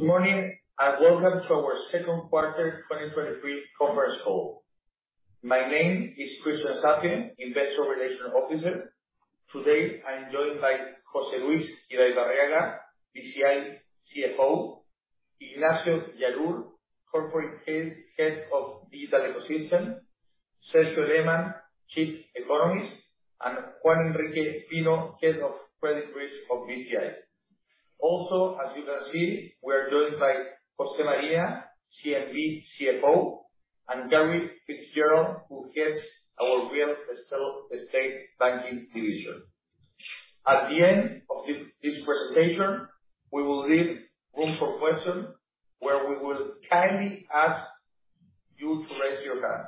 Good morning, and welcome to our second quarter 2023 conference call. My name is Cristian Saffie, Investor Relations Officer. Today, I'm joined by José Luis Irigoyen, Bci CFO, Ignacio Yarur, Corporate Head of Digital Ecosystem, Sergio Lehmann, Chief Economist, and Juan Enrique Pino, Head of Credit Risk of Bci. Also, as you can see, we're joined by Jose Marina, CNB CFO, and Gary Fitzgerald, who heads our Real Estate Banking Division. At the end of this presentation, we will leave room for questions, where we will kindly ask you to raise your hand.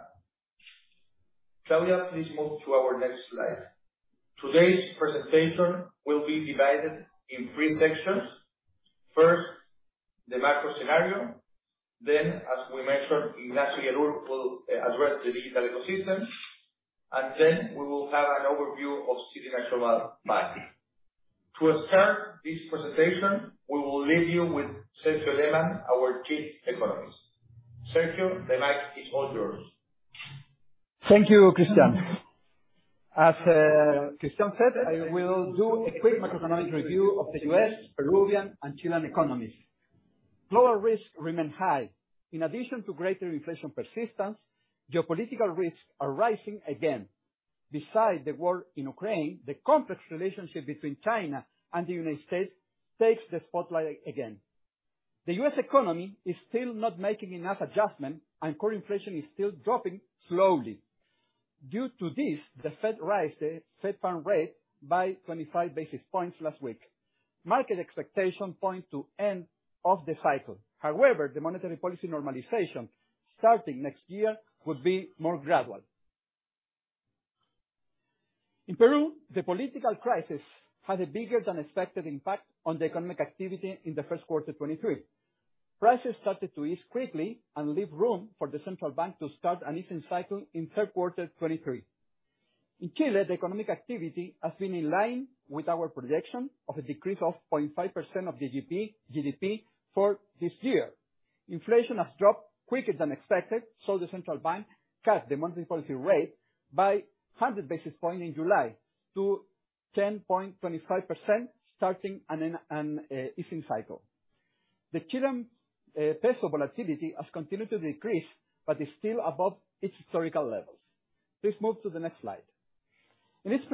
Claudia, please move to our next slide. Today's presentation will be divided in three sections. First, the macro scenario. As we mentioned, Ignacio Yarur will address the digital ecosystem. Then we will have an overview of City National Bank. To start this presentation, we will leave you with Sergio Lehmann, our Chief Economist. Sergio, the mic is all yours. Thank you, Cristian. As Cristian said, I will do a quick macroeconomic review of the U.S., Peruvian and Chilean economies. Global risks remain high. In addition to greater inflation persistence, geopolitical risks are rising again. Besides the war in Ukraine, the complex relationship between China and the United States takes the spotlight again. The U.S. economy is still not making enough adjustment, and core inflation is still dropping slowly. Due to this, the Fed raised the Fed funds rate by 25 basis points last week. Market expectations point to end of the cycle. However, the monetary policy normalization starting next year would be more gradual. In Peru, the political crisis had a bigger than expected impact on the economic activity in the first quarter 2023. Prices started to ease quickly and leave room for the central bank to start an easing cycle in third quarter 2023. In Chile, the economic activity has been in line with our projection of a decrease of 0.5% of the GDP for this year. Inflation has dropped quicker than expected, so the central bank cut the monetary policy rate by 100 basis points in July to 10.25%, starting an easing cycle. The Chilean peso volatility has continued to decrease, but is still above its historical levels. Please move to the next slide. In its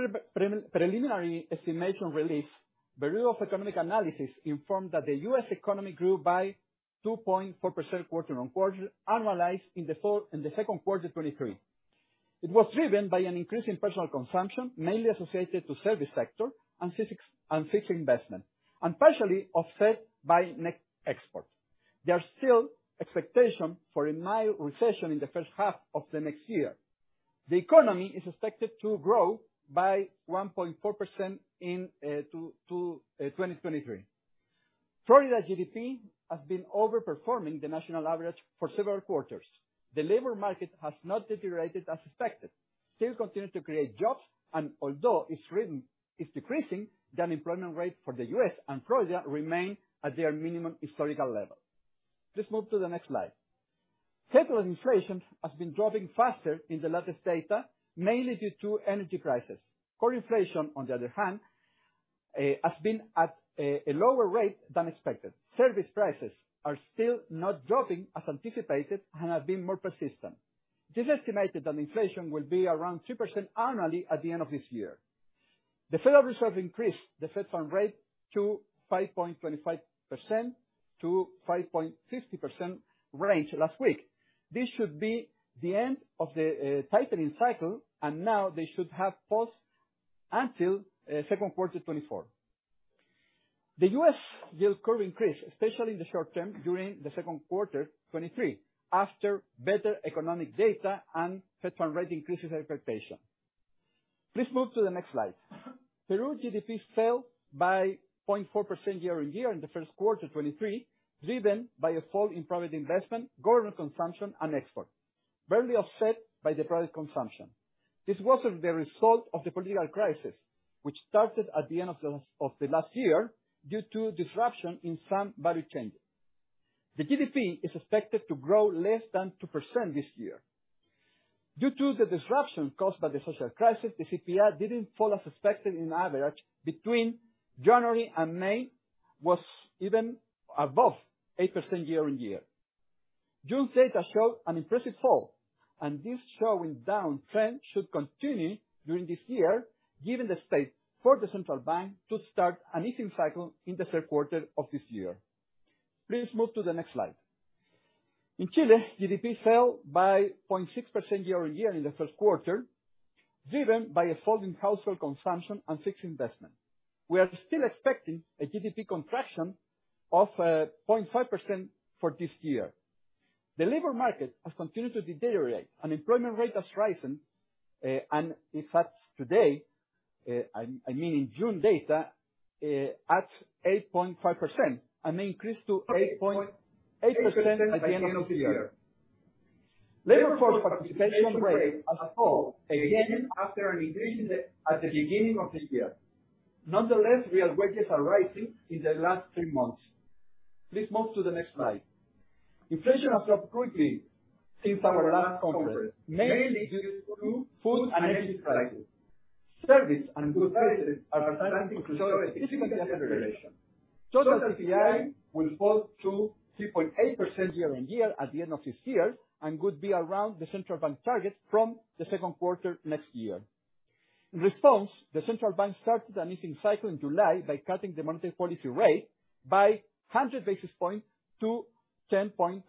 preliminary estimation release, Bureau of Economic Analysis informed that the U.S. economy grew by 2.4% quarter-on-quarter, annualized, in the second quarter 2023. It was driven by an increase in personal consumption, mainly associated to service sector and fixed investment, and partially offset by net export. There are still expectations for a mild recession in the first half of the next year. The economy is expected to grow by 1.4% in 2023. Florida GDP has been overperforming the national average for several quarters. The labor market has not deteriorated as expected, still continue to create jobs, and although it's decreasing, the unemployment rate for the U.S. and Florida remain at their minimum historical level. Please move to the next slide. Headline inflation has been dropping faster in the latest data, mainly due to energy prices. Core inflation, on the other hand, has been at a lower rate than expected. Service prices are still not dropping as anticipated and have been more persistent. It is estimated that inflation will be around 2% annually at the end of this year. The Fed has resolved to increase the fed funds rate to 5.25%-5.50% range last week. This should be the end of the tightening cycle, and now they should have paused until second quarter 2024. The U.S. yield curve increased, especially in the short term during the second quarter 2023, after better economic data and fed funds rate increases expectation. Please move to the next slide. Peru GDP fell by 0.4% year-on-year in the first quarter 2023, driven by a fall in private investment, government consumption and exports, barely offset by private consumption. This wasn't the result of the political crisis, which started at the end of the last year due to disruption in some budget changes. The GDP is expected to grow less than 2% this year. Due to the disruption caused by the social crisis, the CPI didn't fall as expected. On average between January and May, it was even above 8% year-on-year. June data showed an impressive fall, and this slowing down trend should continue during this year, given the space for the central bank to start an easing cycle in the third quarter of this year. Please move to the next slide. In Chile, GDP fell by 0.6% year-on-year in the first quarter, driven by a fall in household consumption and fixed investment. We are still expecting a GDP contraction of 0.5% for this year. The labor market has continued to deteriorate, unemployment rate has risen, and it's at today, I mean in June data, at 8.5%, and may increase to 8.8% at the end of this year. Labor force participation rate has fallen again after an increase in the, at the beginning of this year. Nonetheless, real wages are rising in the last three months. Please move to the next slide. Inflation has dropped quickly since our last conference, mainly due to food and energy prices. Service and good prices are starting to show a significant deceleration. Total CPI will fall to 3.8% year-on-year at the end of this year, and would be around the central bank target from the second quarter next year. In response, the central bank started an easing cycle in July by cutting the monetary policy rate by 100 basis points to 10.25%.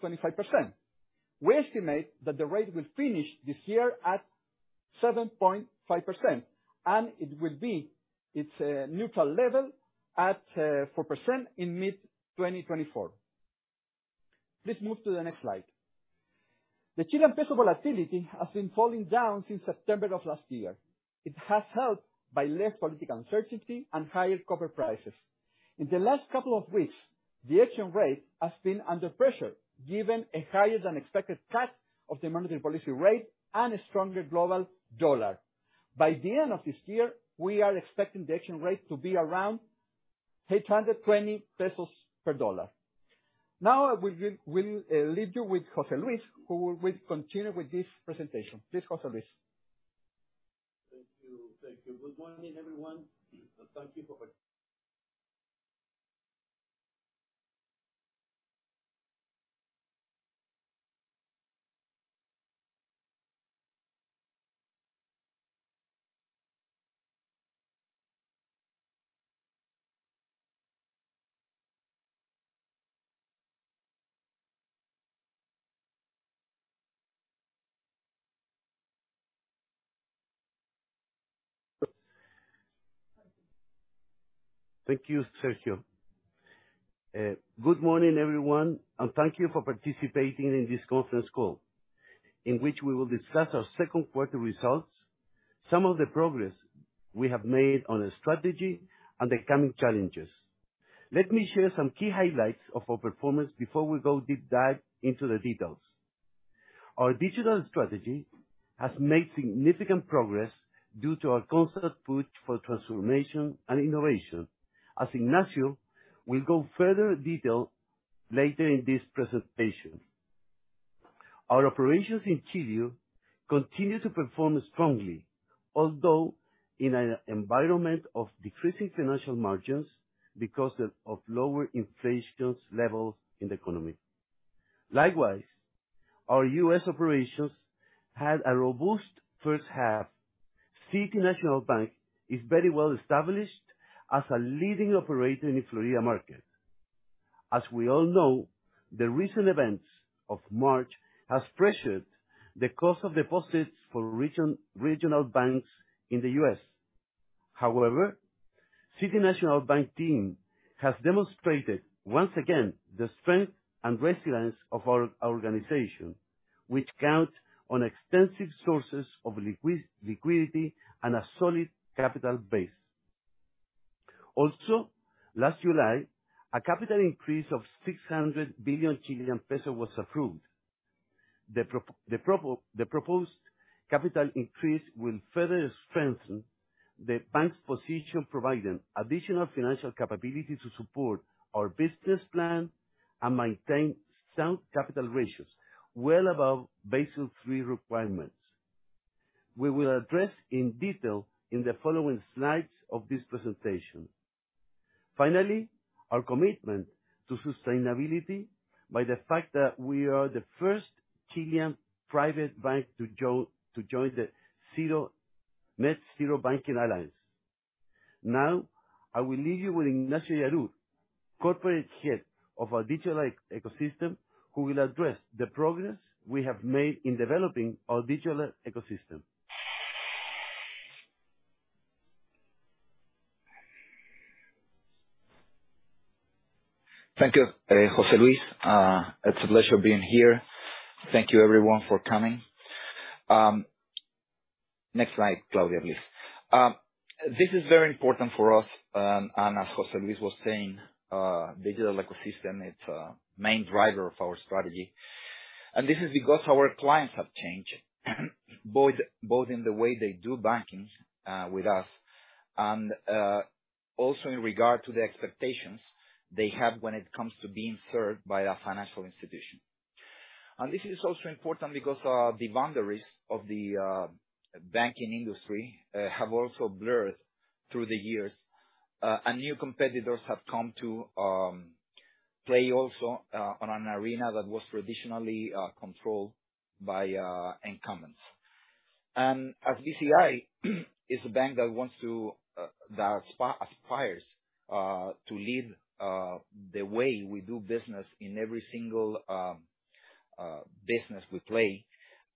We estimate that the rate will finish this year at 7.5%, and it will be its neutral level at 4% in mid-2024. Please move to the next slide. The Chilean peso volatility has been falling down since September of last year. It has helped by less political uncertainty and higher copper prices. In the last couple of weeks, the exchange rate has been under pressure, given a higher than expected cut of the monetary policy rate and a stronger global dollar. By the end of this year, we are expecting the exchange rate to be around 820 pesos per dollar. Now we will leave you with José Luis, who will continue with this presentation. Please, José Luis. Thank you. Good morning, everyone. Thank you, Sergio. Good morning, everyone, and thank you for participating in this conference call in which we will discuss our second quarter results, some of the progress we have made on the strategy, and the coming challenges. Let me share some key highlights of our performance before we go deep dive into the details. Our digital strategy has made significant progress due to our constant push for transformation and innovation, as Ignacio will go further in detail later in this presentation. Our operations in Chile continue to perform strongly, although in an environment of decreasing financial margins because of lower inflation levels in the economy. Likewise, our U.S. operations had a robust first half. City National Bank is very well established as a leading operator in the Florida market. As we all know, the recent events of March has pressured the cost of deposits for regional banks in the US. However, City National Bank team has demonstrated once again the strength and resilience of our organization, which counts on extensive sources of liquidity and a solid capital base. Also, last July, a capital increase of 600 billion Chilean pesos was approved. The proposed capital increase will further strengthen the bank's position, providing additional financial capability to support our business plan and maintain sound capital ratios, well above Basel III requirements. We will address in detail in the following slides of this presentation. Finally, our commitment to sustainability by the fact that we are the first Chilean private bank to join the Net Zero Banking Alliance. Now, I will leave you with Ignacio Yarur, Corporate Head of our digital ecosystem, who will address the progress we have made in developing our digital ecosystem. Thank you, José Luis. It's a pleasure being here. Thank you everyone for coming. Next slide, Claudia, please. This is very important for us, and as José Luis was saying, digital ecosystem, it's a main driver of our strategy. This is because our clients have changed both in the way they do banking with us, and also in regard to the expectations they have when it comes to being served by a financial institution. This is also important because the boundaries of the banking industry have also blurred through the years. New competitors have come to play also on an arena that was traditionally controlled by incumbents. Bci is a bank that wants to aspires to lead the way we do business in every single business we play.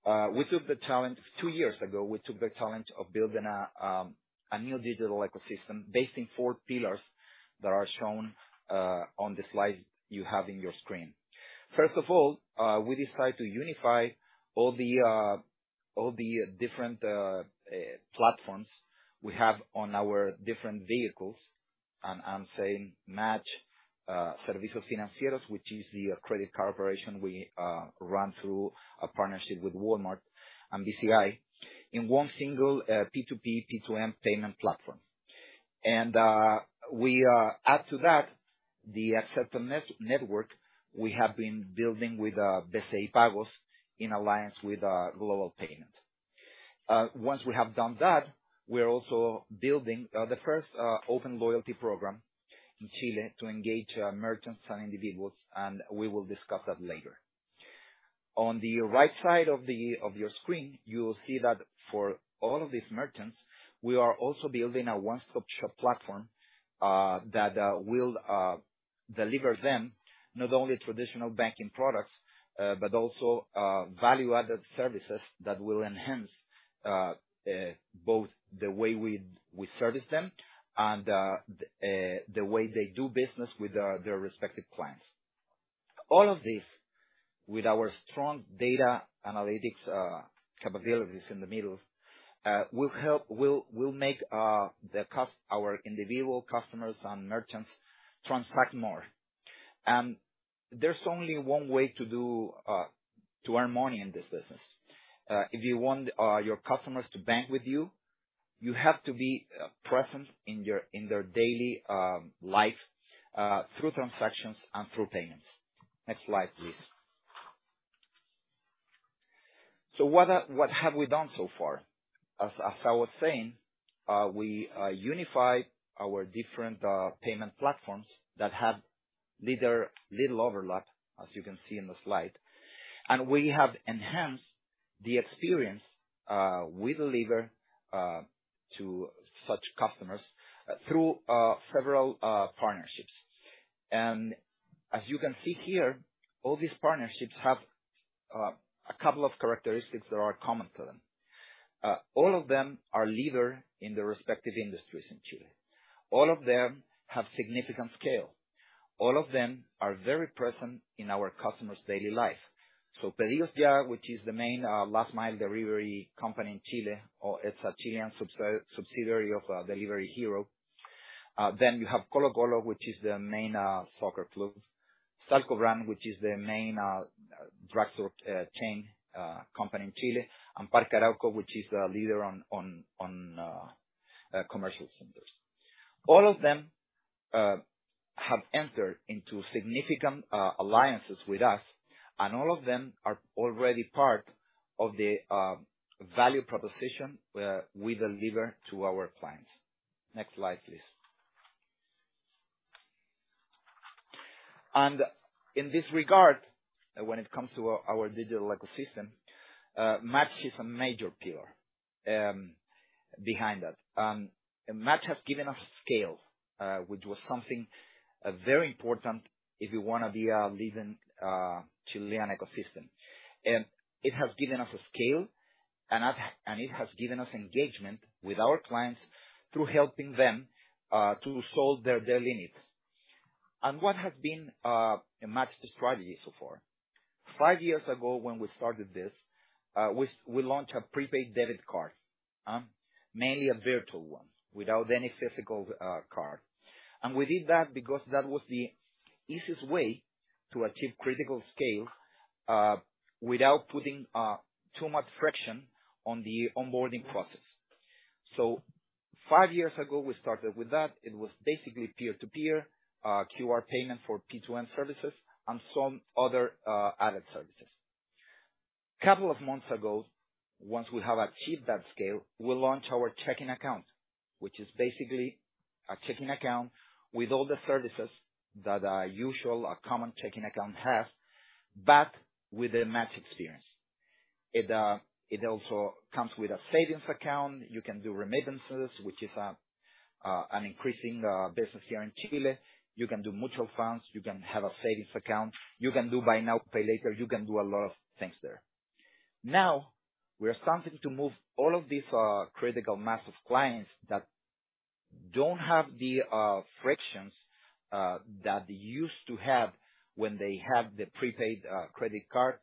We took the challenge two years ago of building a new digital ecosystem based in four pillars that are shown on the slide you have in your screen. First of all, we decided to unify all the different platforms we have on our different vehicles. I'm saying MACH, Líder Bci Servicios Financieros, which is the credit corporation we run through a partnership with Walmart and Bci, in one single P2P, P2M payment platform. We add to that the acceptance network we have been building with Bci Pagos in alliance with Global Payments. Once we have done that, we are also building the first open loyalty program in Chile to engage merchants and individuals, and we will discuss that later. On the right side of your screen, you will see that for all of these merchants, we are also building a one-stop-shop platform that will deliver them not only traditional banking products, but also value-added services that will enhance both the way we service them and the way they do business with their respective clients. All of this, with our strong data analytics capabilities in the middle, will make our individual customers and merchants transact more. There's only one way to earn money in this business. If you want your customers to bank with you have to be present in their daily life through transactions and through payments. Next slide, please. What have we done so far? As I was saying, we unified our different payment platforms that had little overlap, as you can see in the slide. We have enhanced the experience we deliver to such customers through several partnerships. As you can see here, all these partnerships have a couple of characteristics that are common to them. All of them are leaders in their respective industries in Chile. All of them have significant scale. All of them are very present in our customers' daily life. PedidosYa, which is the main last mile delivery company in Chile, or it's a Chilean subsidiary of Delivery Hero. Then you have Colo-Colo, which is the main soccer club. Salcobrand, which is the main drugstore chain company in Chile. Parque Arauco, which is a leader on commercial centers. All of them have entered into significant alliances with us, and all of them are already part of the value proposition we deliver to our clients. Next slide, please. In this regard, when it comes to our digital ecosystem, MACH is a major player behind that. MACH has given us scale, which was something very important if you wanna be a leading Chilean ecosystem. It has given us a scale, and it has given us engagement with our clients through helping them to solve their needs. What has been MACH's strategy so far? Five years ago, when we started this, we launched a prepaid debit card, mainly a virtual one, without any physical card. We did that because that was the easiest way to achieve critical scale, without putting too much friction on the onboarding process. Five years ago, we started with that. It was basically peer-to-peer QR payment for P2M services and some other added services. Couple of months ago, once we have achieved that scale, we launched our checking account, which is basically a checking account with all the services that a usual, a common checking account have, but with a MACH experience. It also comes with a savings account. You can do remittances, which is an increasing business here in Chile. You can do mutual funds. You can have a savings account. You can do Buy Now, Pay Later. You can do a lot of things there. Now, we are starting to move all of these critical mass of clients that don't have the frictions that they used to have when they had the prepaid credit card,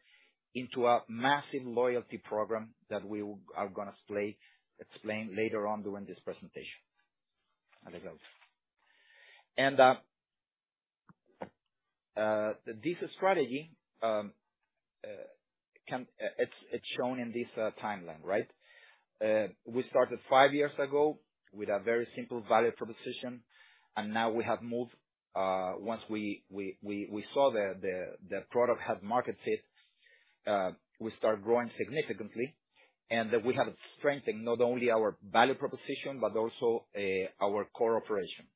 into a massive loyalty program that we are gonna explain later on during this presentation. This strategy, it's shown in this timeline, right? We started five years ago with a very simple value proposition, and now we have moved. Once we saw the product had market fit, we start growing significantly. We have strengthened not only our value proposition, but also our core operation.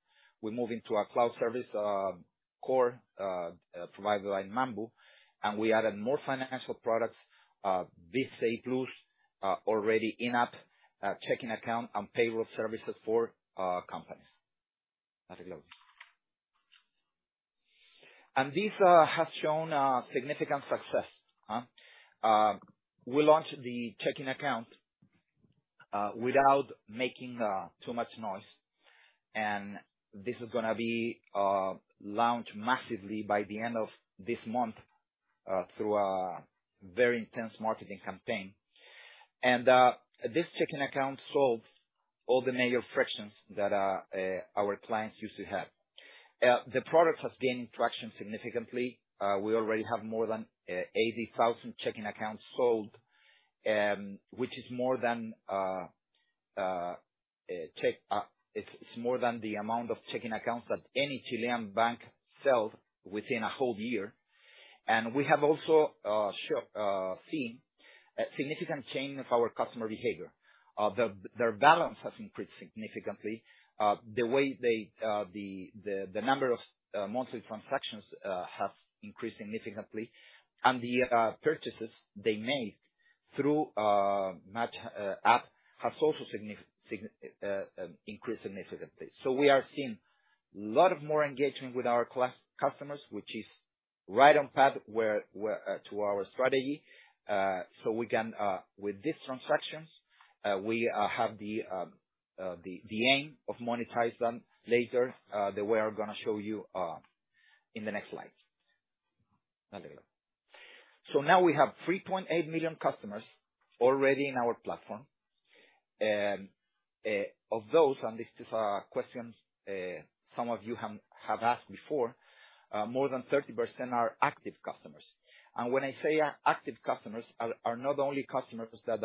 We're moving to a cloud service core provided by Mambu, and we added more financial products, BciPlus+ already in-app checking account, and payroll services for companies. This has shown significant success. We launched the checking account without making too much noise, and this is gonna be launched massively by the end of this month through a very intense marketing campaign. This checking account solves all the major frictions that our clients used to have. The product has gained traction significantly. We already have more than 80,000 checking accounts sold, which is more than the amount of checking accounts that any Chilean bank sells within a whole year. We have also seen a significant change of our customer behavior. Their balance has increased significantly. The number of monthly transactions has increased significantly. The purchases they make through MACH app has also increased significantly. We are seeing lot of more engagement with our customers, which is right on path to our strategy. We can, with these transactions, have the aim of monetize them later, the way I'm gonna show you in the next slide. Now we have 3.8 million customers already in our platform. Of those, this is a question some of you have asked before, more than 30% are active customers. When I say active customers, they are not only customers that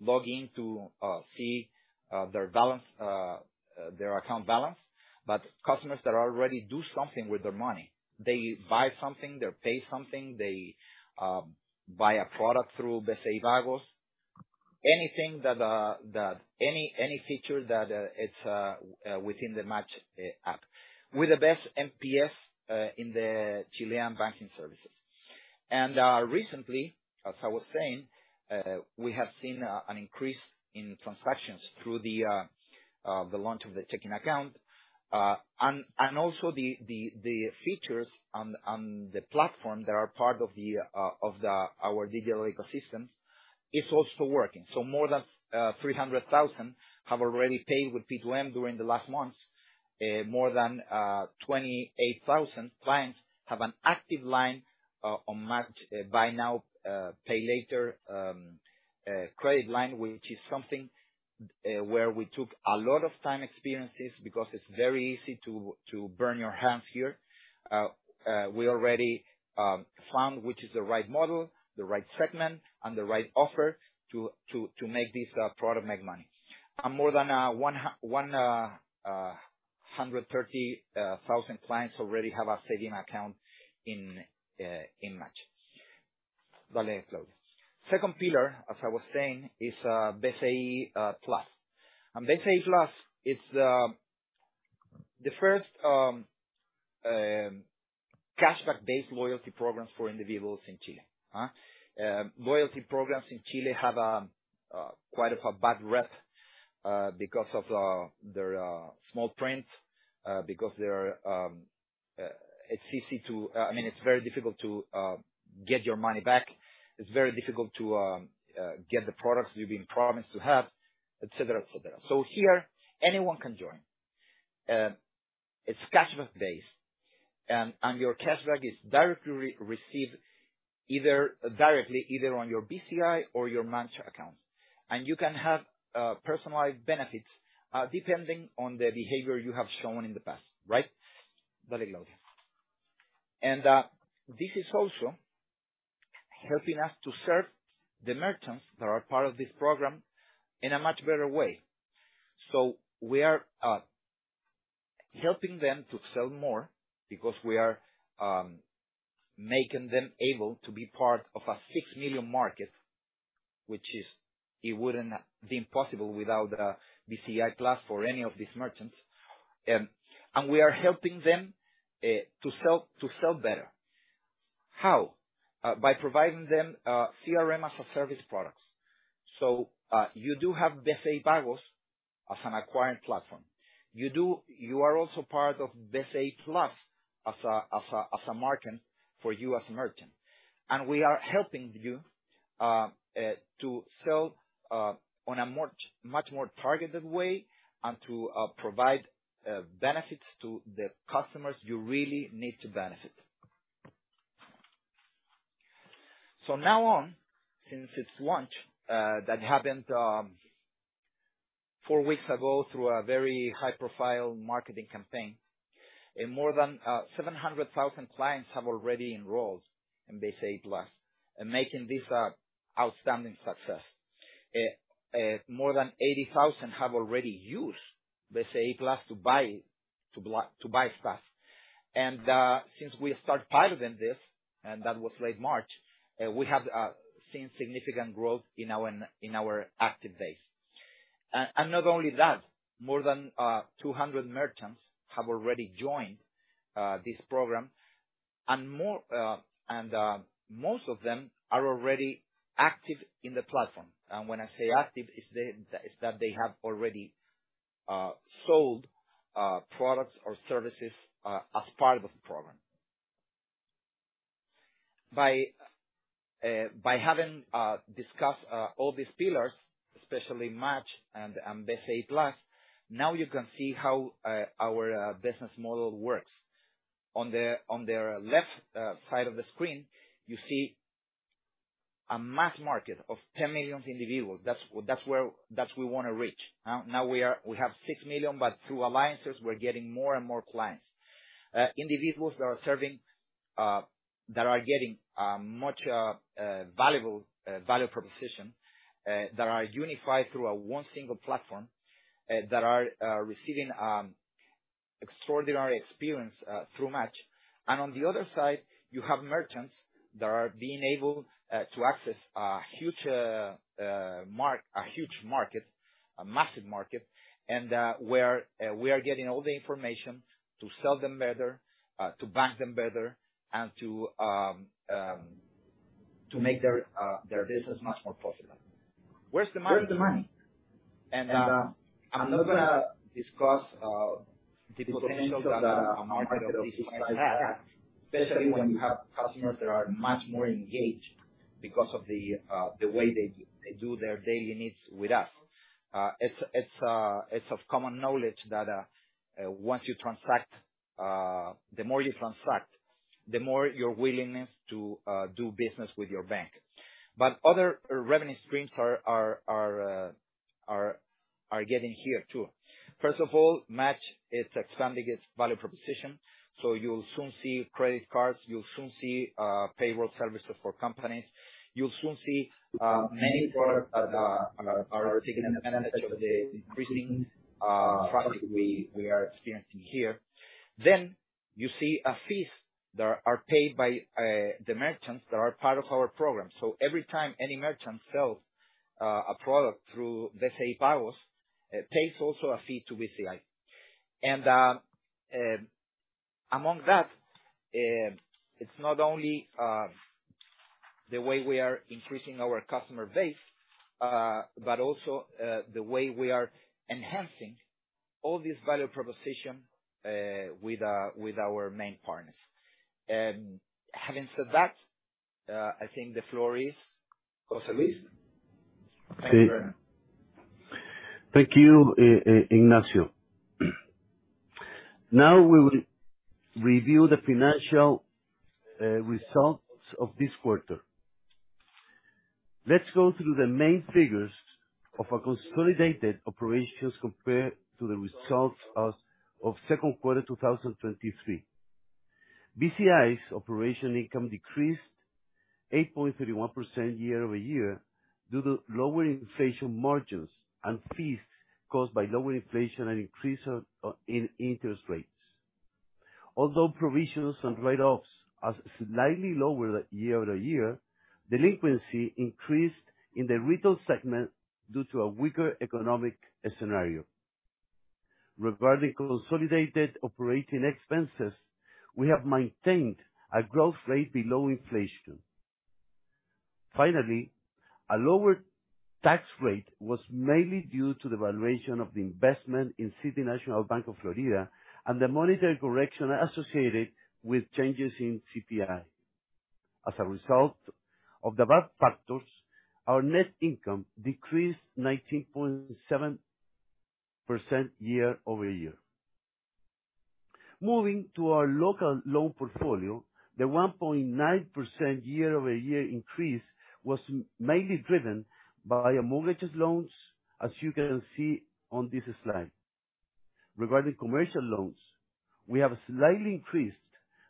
log in to see their account balance, but customers that already do something with their money. They buy something. They pay something. They buy a product through Bci Pagos. Anything that any feature that it's within the MACH app. We're the best NPS in the Chilean banking services. Recently, as I was saying, we have seen an increase in transactions through the launch of the checking account. Also the features on the platform that are part of our digital ecosystems is also working. More than 300,000 have already paid with P2M during the last months. More than 28,000 clients have an active line on MACH buy now pay later credit line, which is something where we took a lot of time and experience, because it's very easy to burn your hands here. We already found which is the right model, the right segment, and the right offer to make this product make money. More than 130,000 clients already have a savings account in MACH. Second pillar, as I was saying, is BciPlus+. BciPlus+ is the first cashback-based loyalty programs for individuals in Chile. Loyalty programs in Chile have quite a bad rep because of their small print. I mean, it's very difficult to get your money back. It's very difficult to get the products you've been promised to have, et cetera, et cetera. Here, anyone can join. It's cashback based, and your cashback is directly received either on your Bci or your MACH account. You can have personalized benefits depending on the behavior you have shown in the past, right? This is also helping us to serve the merchants that are part of this program in a much better way. We are helping them to sell more because we are making them able to be part of a 6 million market, which is, it wouldn't have been possible without BciPlus+ for any of these merchants. We are helping them to sell better. How? By providing them CRM as a service products. You do have Bci Pagos as an acquiring platform. You are also part of BciPlus+ as a market for you as a merchant. We are helping you to sell on a much more targeted way and to provide benefits to the customers you really need to benefit. Now on, since its launch, that happened four weeks ago through a very high-profile marketing campaign, more than 700,000 clients have already enrolled in BciPlus+, making this a outstanding success. More than 80,000 have already used BciPlus+ to buy stuff. Since we start pilotting this, and that was late March, we have seen significant growth in our active base. Not only that, more than 200 merchants have already joined this program. More, most of them are already active in the platform. When I say active, it's that they have already sold products or services as part of the program. By having discussed all these pillars, especially MACH and BciPlus+, now you can see how our business model works. On the left side of the screen, you see a mass market of 10 million individuals. That's where we wanna reach. Now we have 6 million, but through alliances, we're getting more and more clients. Individuals that are serving that are getting much valuable value proposition that are unified through one single platform that are receiving extraordinary experience through MACH. On the other side, you have merchants that are being able to access a huge market, a massive market, and where we are getting all the information to sell them better, to bank them better, and to make their business much more profitable. Where's the money? I'm not gonna discuss the potential that a market of this size has, especially when you have customers that are much more engaged because of the way they do their daily needs with us. It's of common knowledge that once you transact, the more you transact, the more your willingness to do business with your bank. Other revenue streams are getting here too. First of all, MACH is expanding its value proposition, so you'll soon see credit cards, you'll soon see payroll services for companies. You'll soon see many products that are taking advantage of the increasing traffic we are experiencing here. You see fees that are paid by the merchants that are part of our program. Every time any merchant sells a product through Bci Pagos, pays also a fee to Bci. Among that, it's not only the way we are increasing our customer base but also the way we are enhancing all this value proposition with our main partners. Having said that, I think the floor is José Luis. Yes. Thank you, Ignacio. Now we will review the financial results of this quarter. Let's go through the main figures of our consolidated operations compared to the results as of second quarter 2023. Bci's operating income decreased 8.31% year-over-year due to lower inflation margins and fees caused by lower inflation and increase in interest rates. Although provisions and write-offs are slightly lower year-over-year, delinquency increased in the retail segment due to a weaker economic scenario. Regarding consolidated operating expenses, we have maintained a growth rate below inflation. Finally, a lower tax rate was mainly due to the valuation of the investment in City National Bank of Florida and the monetary correction associated with changes in CPI. As a result of the above factors, our net income decreased 19.7% year-over-year. Moving to our local loan portfolio, the 1.9% year-over-year increase was mainly driven by our mortgage loans, as you can see on this slide. Regarding commercial loans, we have slightly increased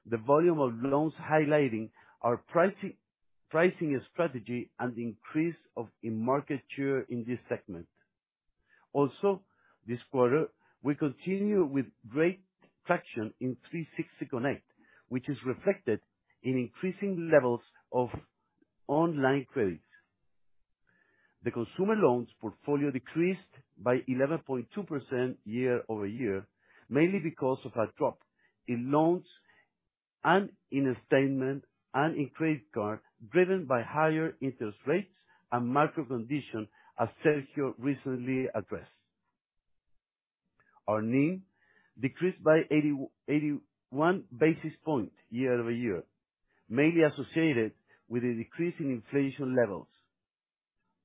the volume of loans, highlighting our pricing strategy and the increase of a market share in this segment. This quarter, we continue with great traction in 360 Connect, which is reflected in increasing levels of online credits. The consumer loans portfolio decreased by 11.2% year-over-year, mainly because of a drop in installment and credit card loans, driven by higher interest rates and market conditions as Sergio recently addressed. Our NIM decreased by 81 basis points year-over-year, mainly associated with a decrease in inflation levels.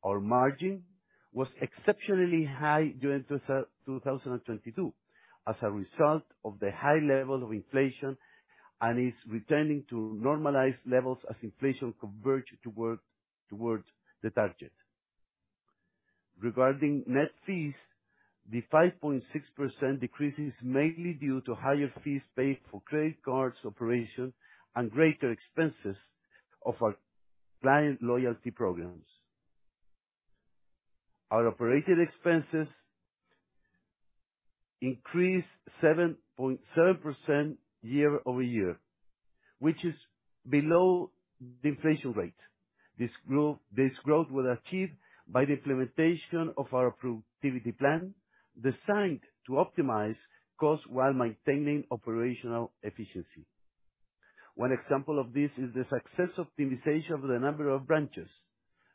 Our margin was exceptionally high during 2022 as a result of the high level of inflation and is returning to normalized levels as inflation converges toward the target. Regarding net fees, the 5.6% decrease is mainly due to higher fees paid for credit cards operation and greater expenses of our client loyalty programs. Our operating expenses increased 7.7% year-over-year, which is below the inflation rate. This growth was achieved by the implementation of our productivity plan, designed to optimize costs while maintaining operational efficiency. One example of this is the successful optimization of the number of branches,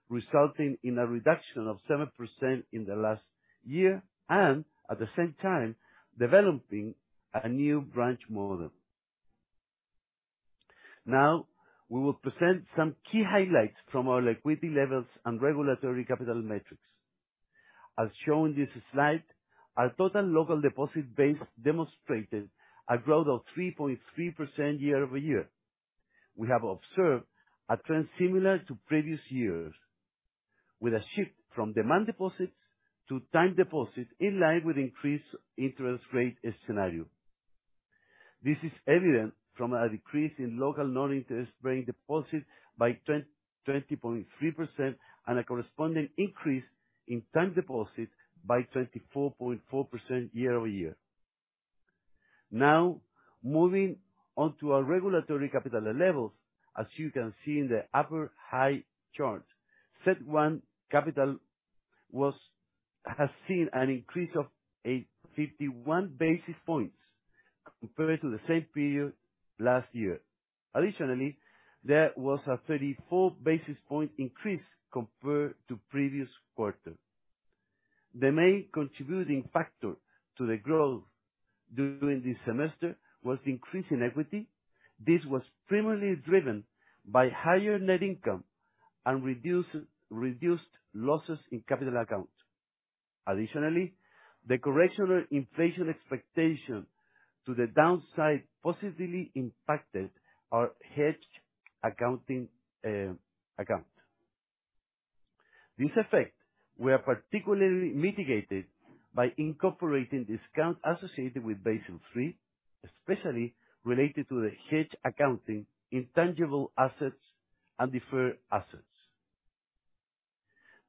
resulting in a reduction of 7% in the last year, and at the same time, developing a new branch model. Now, we will present some key highlights from our liquidity levels and regulatory capital metrics. As shown in this slide, our total local deposit base demonstrated a growth of 3.3% year-over-year. We have observed a trend similar to previous years, with a shift from demand deposits to time deposits, in line with increased interest rate scenario. This is evident from a decrease in local non-interest-bearing deposits by 20.3%, and a corresponding increase in time deposit by 24.4% year-over-year. Now, moving on to our regulatory capital levels. As you can see in the upper right chart, CET1 capital has seen an increase of 8.51 basis points compared to the same period last year. Additionally, there was a 34 basis point increase compared to previous quarter. The main contributing factor to the growth during this semester was the increase in equity. This was primarily driven by higher net income and reduced losses in capital account. Additionally, the correction to inflation expectation to the downside positively impacted our hedge accounting account. This effect were particularly mitigated by incorporating discount associated with Basel III, especially related to the hedge accounting, intangible assets, and deferred assets.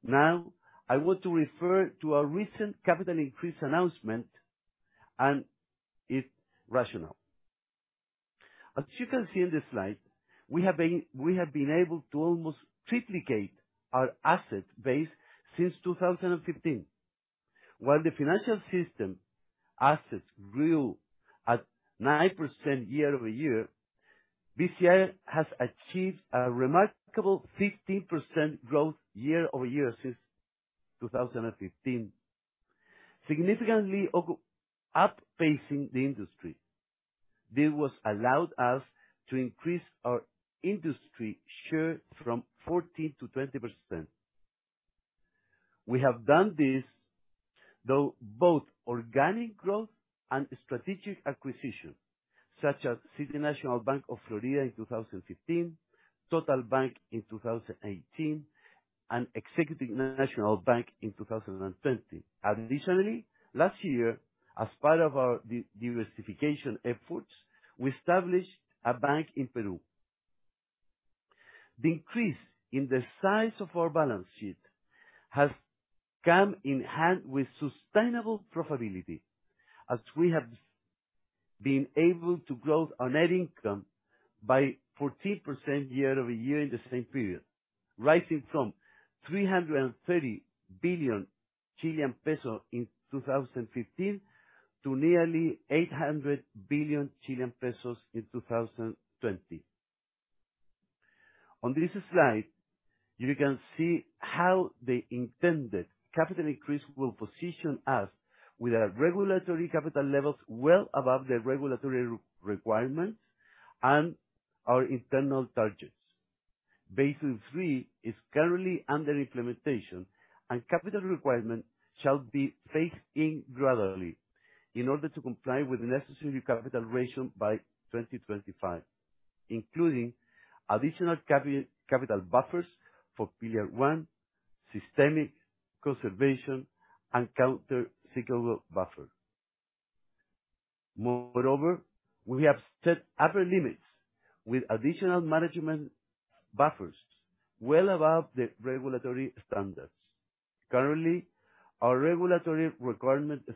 Now, I want to refer to our recent capital increase announcement and its rationale. As you can see on this slide, we have been able to almost triplicate our asset base since 2015. While the financial system assets grew at 9% year-over-year, Bci has achieved a remarkable 15% growth year-over-year since 2015. Significantly outpacing the industry. This was allowed us to increase our industry share from 14% to 20%. We have done this through both organic growth and strategic acquisition, such as City National Bank of Florida in 2015, TotalBank in 2018, and Executive National Bank in 2020. Additionally, last year, as part of our diversification efforts, we established a bank in Peru. The increase in the size of our balance sheet has come hand in hand with sustainable profitability, as we have been able to grow our net income by 14% year-over-year in the same period, rising from 330 billion Chilean peso in 2015 to nearly 800 billion Chilean pesos in 2020. On this slide, you can see how the intended capital increase will position us with our regulatory capital levels well above the regulatory requirements and our internal targets. Basel III is currently under implementation, and capital requirement shall be phased in gradually in order to comply with the necessary capital ratio by 2025, including additional capital buffers for Pillar 1, systemic conservation, and countercyclical buffer. Moreover, we have set upper limits with additional management buffers well above the regulatory standards. Currently, our regulatory requirements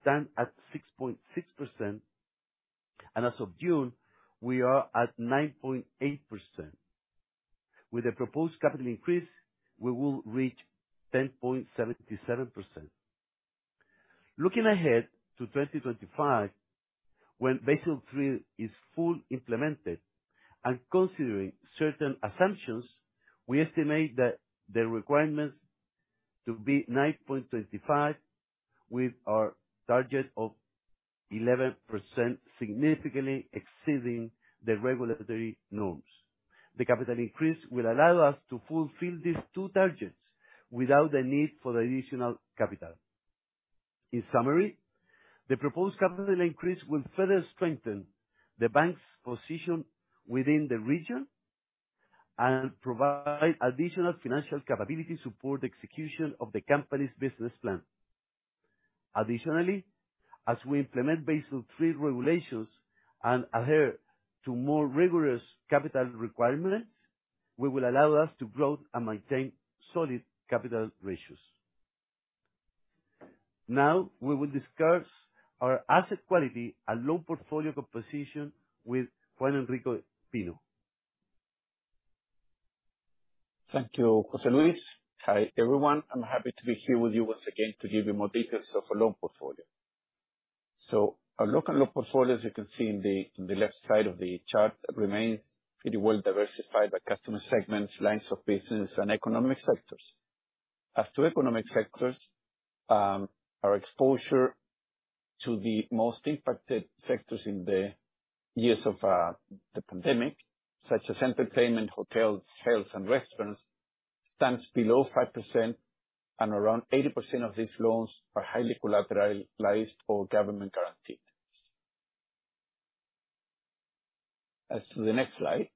stand at 6.6%, and as of June, we are at 9.8%. With the proposed capital increase, we will reach 10.77%. Looking ahead to 2025, when Basel III is fully implemented, and considering certain assumptions, we estimate that the requirements to be 9.25%, with our target of 11% significantly exceeding the regulatory norms. The capital increase will allow us to fulfill these two targets without the need for additional capital. In summary, the proposed capital increase will further strengthen the bank's position within the region and provide additional financial capability to support the execution of the company's business plan. Additionally, as we implement Basel III regulations and adhere to more rigorous capital requirements, we will allow us to grow and maintain solid capital ratios. Now, we will discuss our asset quality and loan portfolio composition with Juan Enrique Pino. Thank you, José Luis. Hi, everyone. I'm happy to be here with you once again to give you more details of our loan portfolio. Our local loan portfolio, as you can see in the left side of the chart, remains pretty well diversified by customer segments, lines of business, and economic sectors. As to economic sectors, our exposure to the most impacted sectors in the years of the pandemic, such as entertainment, hotels, health and restaurants, stands below 5%, and around 80% of these loans are highly collateralized or government guaranteed. As to the next slide,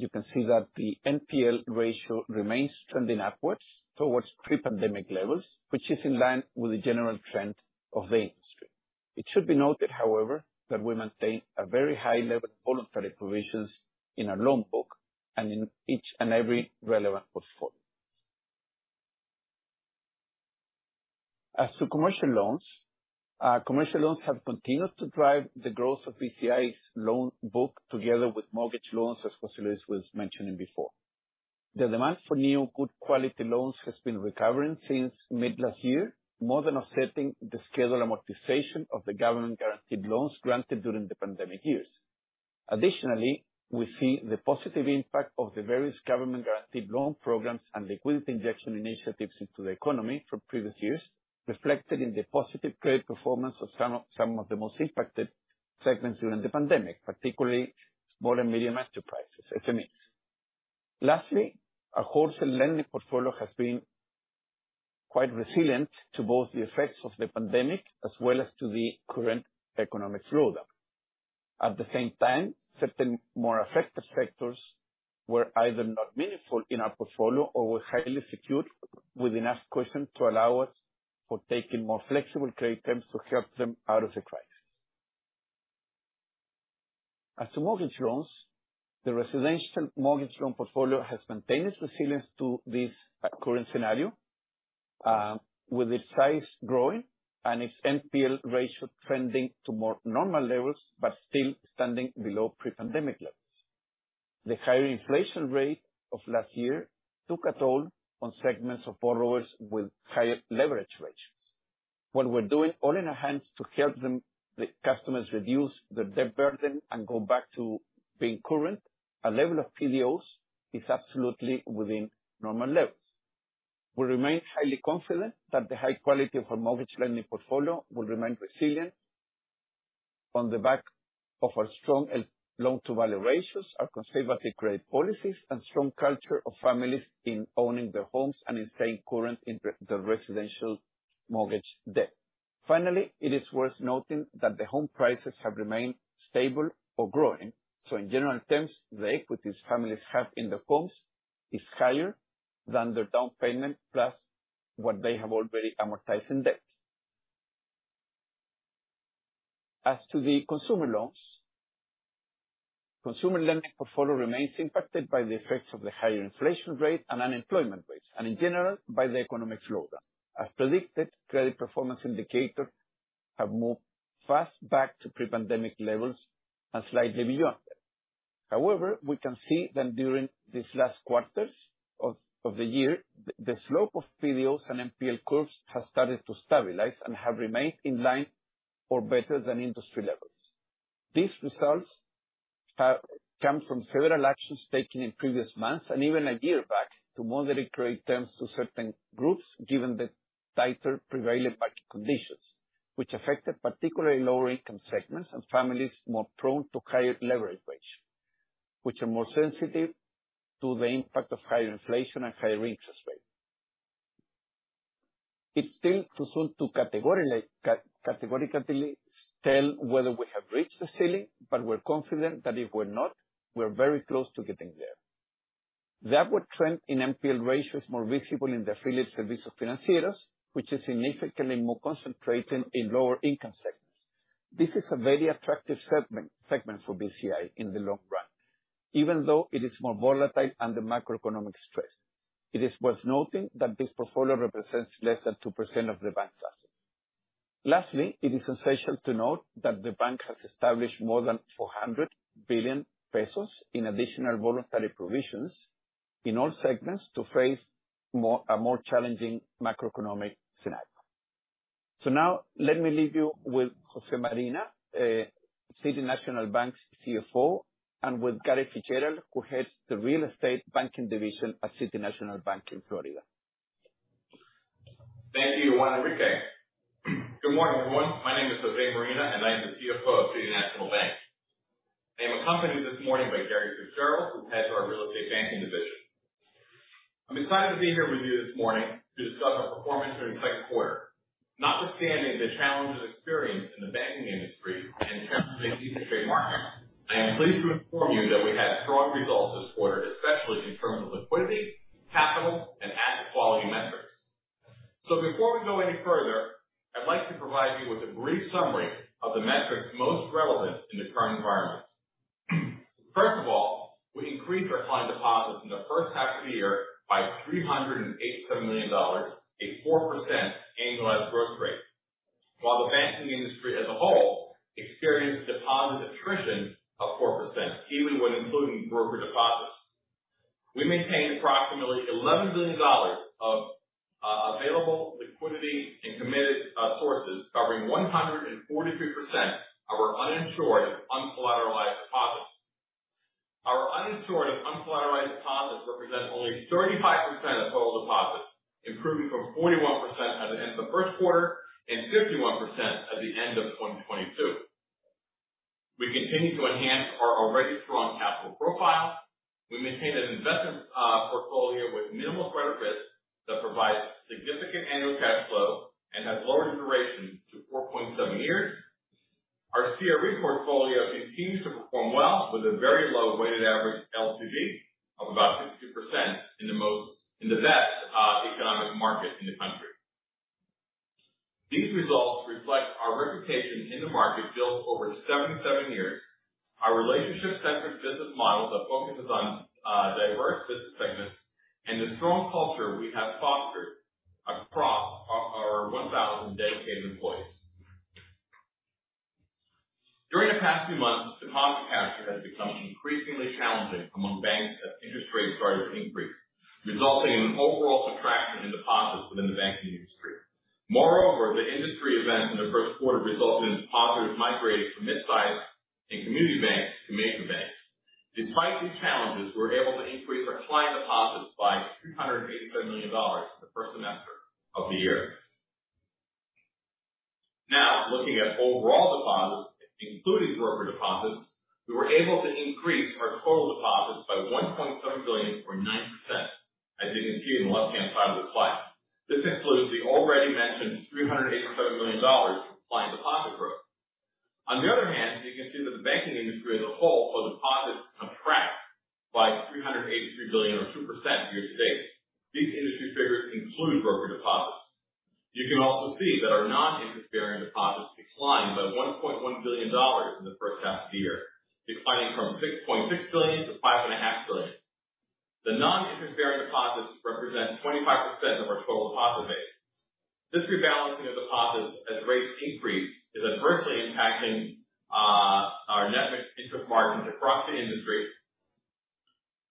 you can see that the NPL ratio remains trending upwards towards pre-pandemic levels, which is in line with the general trend of the industry. It should be noted, however, that we maintain a very high level of voluntary provisions in our loan book and in each and every relevant portfolio. As to commercial loans, commercial loans have continued to drive the growth of Bci's loan book together with mortgage loans, as José Luis was mentioning before. The demand for new good quality loans has been recovering since mid last year, more than offsetting the scheduled amortization of the government guaranteed loans granted during the pandemic years. Additionally, we see the positive impact of the various government guaranteed loan programs and liquidity injection initiatives into the economy from previous years, reflected in the positive credit performance of some of the most impacted segments during the pandemic, particularly small and medium enterprises, SMEs. Lastly, our wholesale lending portfolio has been quite resilient to both the effects of the pandemic as well as to the current economic slowdown. At the same time, certain more affected sectors were either not meaningful in our portfolio or were highly secured with enough cushion to allow us for taking more flexible credit terms to help them out of the crisis. As to mortgage loans, the residential mortgage loan portfolio has maintained its resilience to this current scenario with its size growing and its NPL ratio trending to more normal levels but still standing below pre-pandemic levels. The higher inflation rate of last year took a toll on segments of borrowers with higher leverage ratios. While we're doing all in our hands to help them, the customers reduce their debt burden and go back to being current, our level of PDOS is absolutely within normal levels. We remain highly confident that the high quality of our mortgage lending portfolio will remain resilient on the back of our strong loan to value ratios, our conservative credit policies, and strong culture of families in owning their homes and in staying current in the residential mortgage debt. Finally, it is worth noting that the home prices have remained stable or growing, so in general terms, the equities families have in their homes is higher than their down payment plus what they have already amortized in debt. As to the consumer loans, consumer lending portfolio remains impacted by the effects of the higher inflation rate and unemployment rates, and in general, by the economic slowdown. As predicted, credit performance indicators have moved fast back to pre-pandemic levels and slightly beyond that. However, we can see that during these last quarters of the year, the slope of PDOs and NPL curves has started to stabilize and have remained in line or better than industry levels. These results have come from several actions taken in previous months and even a year back to moderate credit terms to certain groups, given the tighter prevailing market conditions, which affected particularly lower income segments and families more prone to higher leverage ratio, which are more sensitive to the impact of higher inflation and higher interest rates. It's still too soon to categorically tell whether we have reached the ceiling, but we're confident that if we're not, we're very close to getting there. The upward trend in NPL ratio is more visible in the affiliate Servicios Financieros, which is significantly more concentrated in lower income segments. This is a very attractive segment for Bci in the long run, even though it is more volatile under macroeconomic stress. It is worth noting that this portfolio represents less than 2% of the bank's assets. Lastly, it is essential to note that the bank has established more than 400 billion pesos in additional voluntary provisions in all segments to face a more challenging macroeconomic scenario. Now let me leave you with Jose Marina, City National Bank of Florida’s CFO, and with Gary Fitzgerald, who heads the Real Estate Banking Division at City National Bank of Florida. Thank you, Juan Enrique. Good morning, everyone. My name is Jose Marina, and I am the CFO of City National Bank. I'm accompanied this morning by Gary Fitzgerald, who's Head of our Real Estate Banking Division. I'm excited to be here with you this morning to discuss our performance during the second quarter. Notwithstanding the challenges experienced in the banking industry and current interest rate environment, I am pleased to inform you that we had strong results this quarter, especially in terms of liquidity, capital, and asset quality metrics. Before we go any further, I'd like to provide you with a brief summary of the metrics most relevant in the current environment. First of all, we increased our client deposits in the first half of the year by $387 million, a 4% annualized growth rate. While the banking industry as a whole experienced deposit attrition of 4%, even when including broker deposits. We maintain approximately $11 billion of available liquidity and committed sources covering 143% of our uninsured and uncollateralized deposits. Our uninsured and uncollateralized deposits represent only 35% of total deposits, improving from 41% at the end of the first quarter and 51% at the end of 2022. We continue to enhance our already strong capital profile. We maintain an investment portfolio with minimal credit risk that provides significant annual cash flow and has lowered duration to 4.7 years. Our CRE portfolio continues to perform well with a very low weighted average LTV of about 52% in the best economic market in the country. These results reflect our reputation in the market built over 77 years, our relationship-centric business model that focuses on diverse business segments and the strong culture we have fostered across our 1,000 dedicated employees. During the past few months, deposit capture has become increasingly challenging among banks as interest rates started to increase, resulting in an overall contraction in deposits within the banking industry. Moreover, the industry events in the first quarter resulted in depositors migrating from midsize and community banks to major banks. Despite these challenges, we were able to increase our client deposits by $387 million in the first semester of the year. Now, looking at overall deposits, including broker deposits, we were able to increase our total deposits by $1.7 billion or 9%, as you can see in the left-hand side of the slide. This includes the already mentioned $387 million client deposit growth. On the other hand, you can see that the banking industry as a whole saw deposits contract by $383 billion or 2% year to date. These industry figures include broker deposits. You can also see that our non-interest-bearing deposits declined by $1.1 billion in the first half of the year, declining from $6.6 billion to $5.5 billion. The non-interest-bearing deposits represent 25% of our total deposit base. This rebalancing of deposits as rates increase is adversely impacting our net interest margins across the industry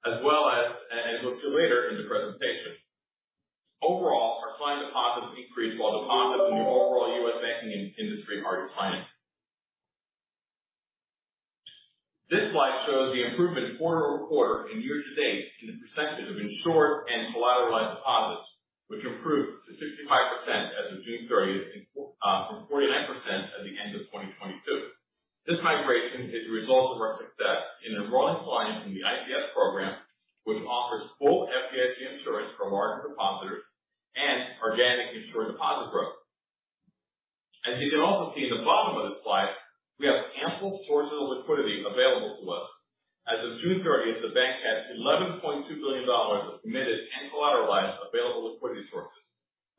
as well as you'll see later in the presentation. Overall, our client deposits increased while deposits in the overall US banking industry are declining. This slide shows the improvement quarter-over-quarter and year-to-date in the percentage of insured and collateralized deposits, which improved to 65% as of June 30th from 49% at the end of 2022. This migration is a result of our success in enrolling clients in the ICS program, which offers full FDIC insurance for larger depositors and organic insured deposit growth. As you can also see in the bottom of this slide, we have ample sources of liquidity available to us. As of June 30th, the bank had $11.2 billion of committed and collateralized available liquidity sources,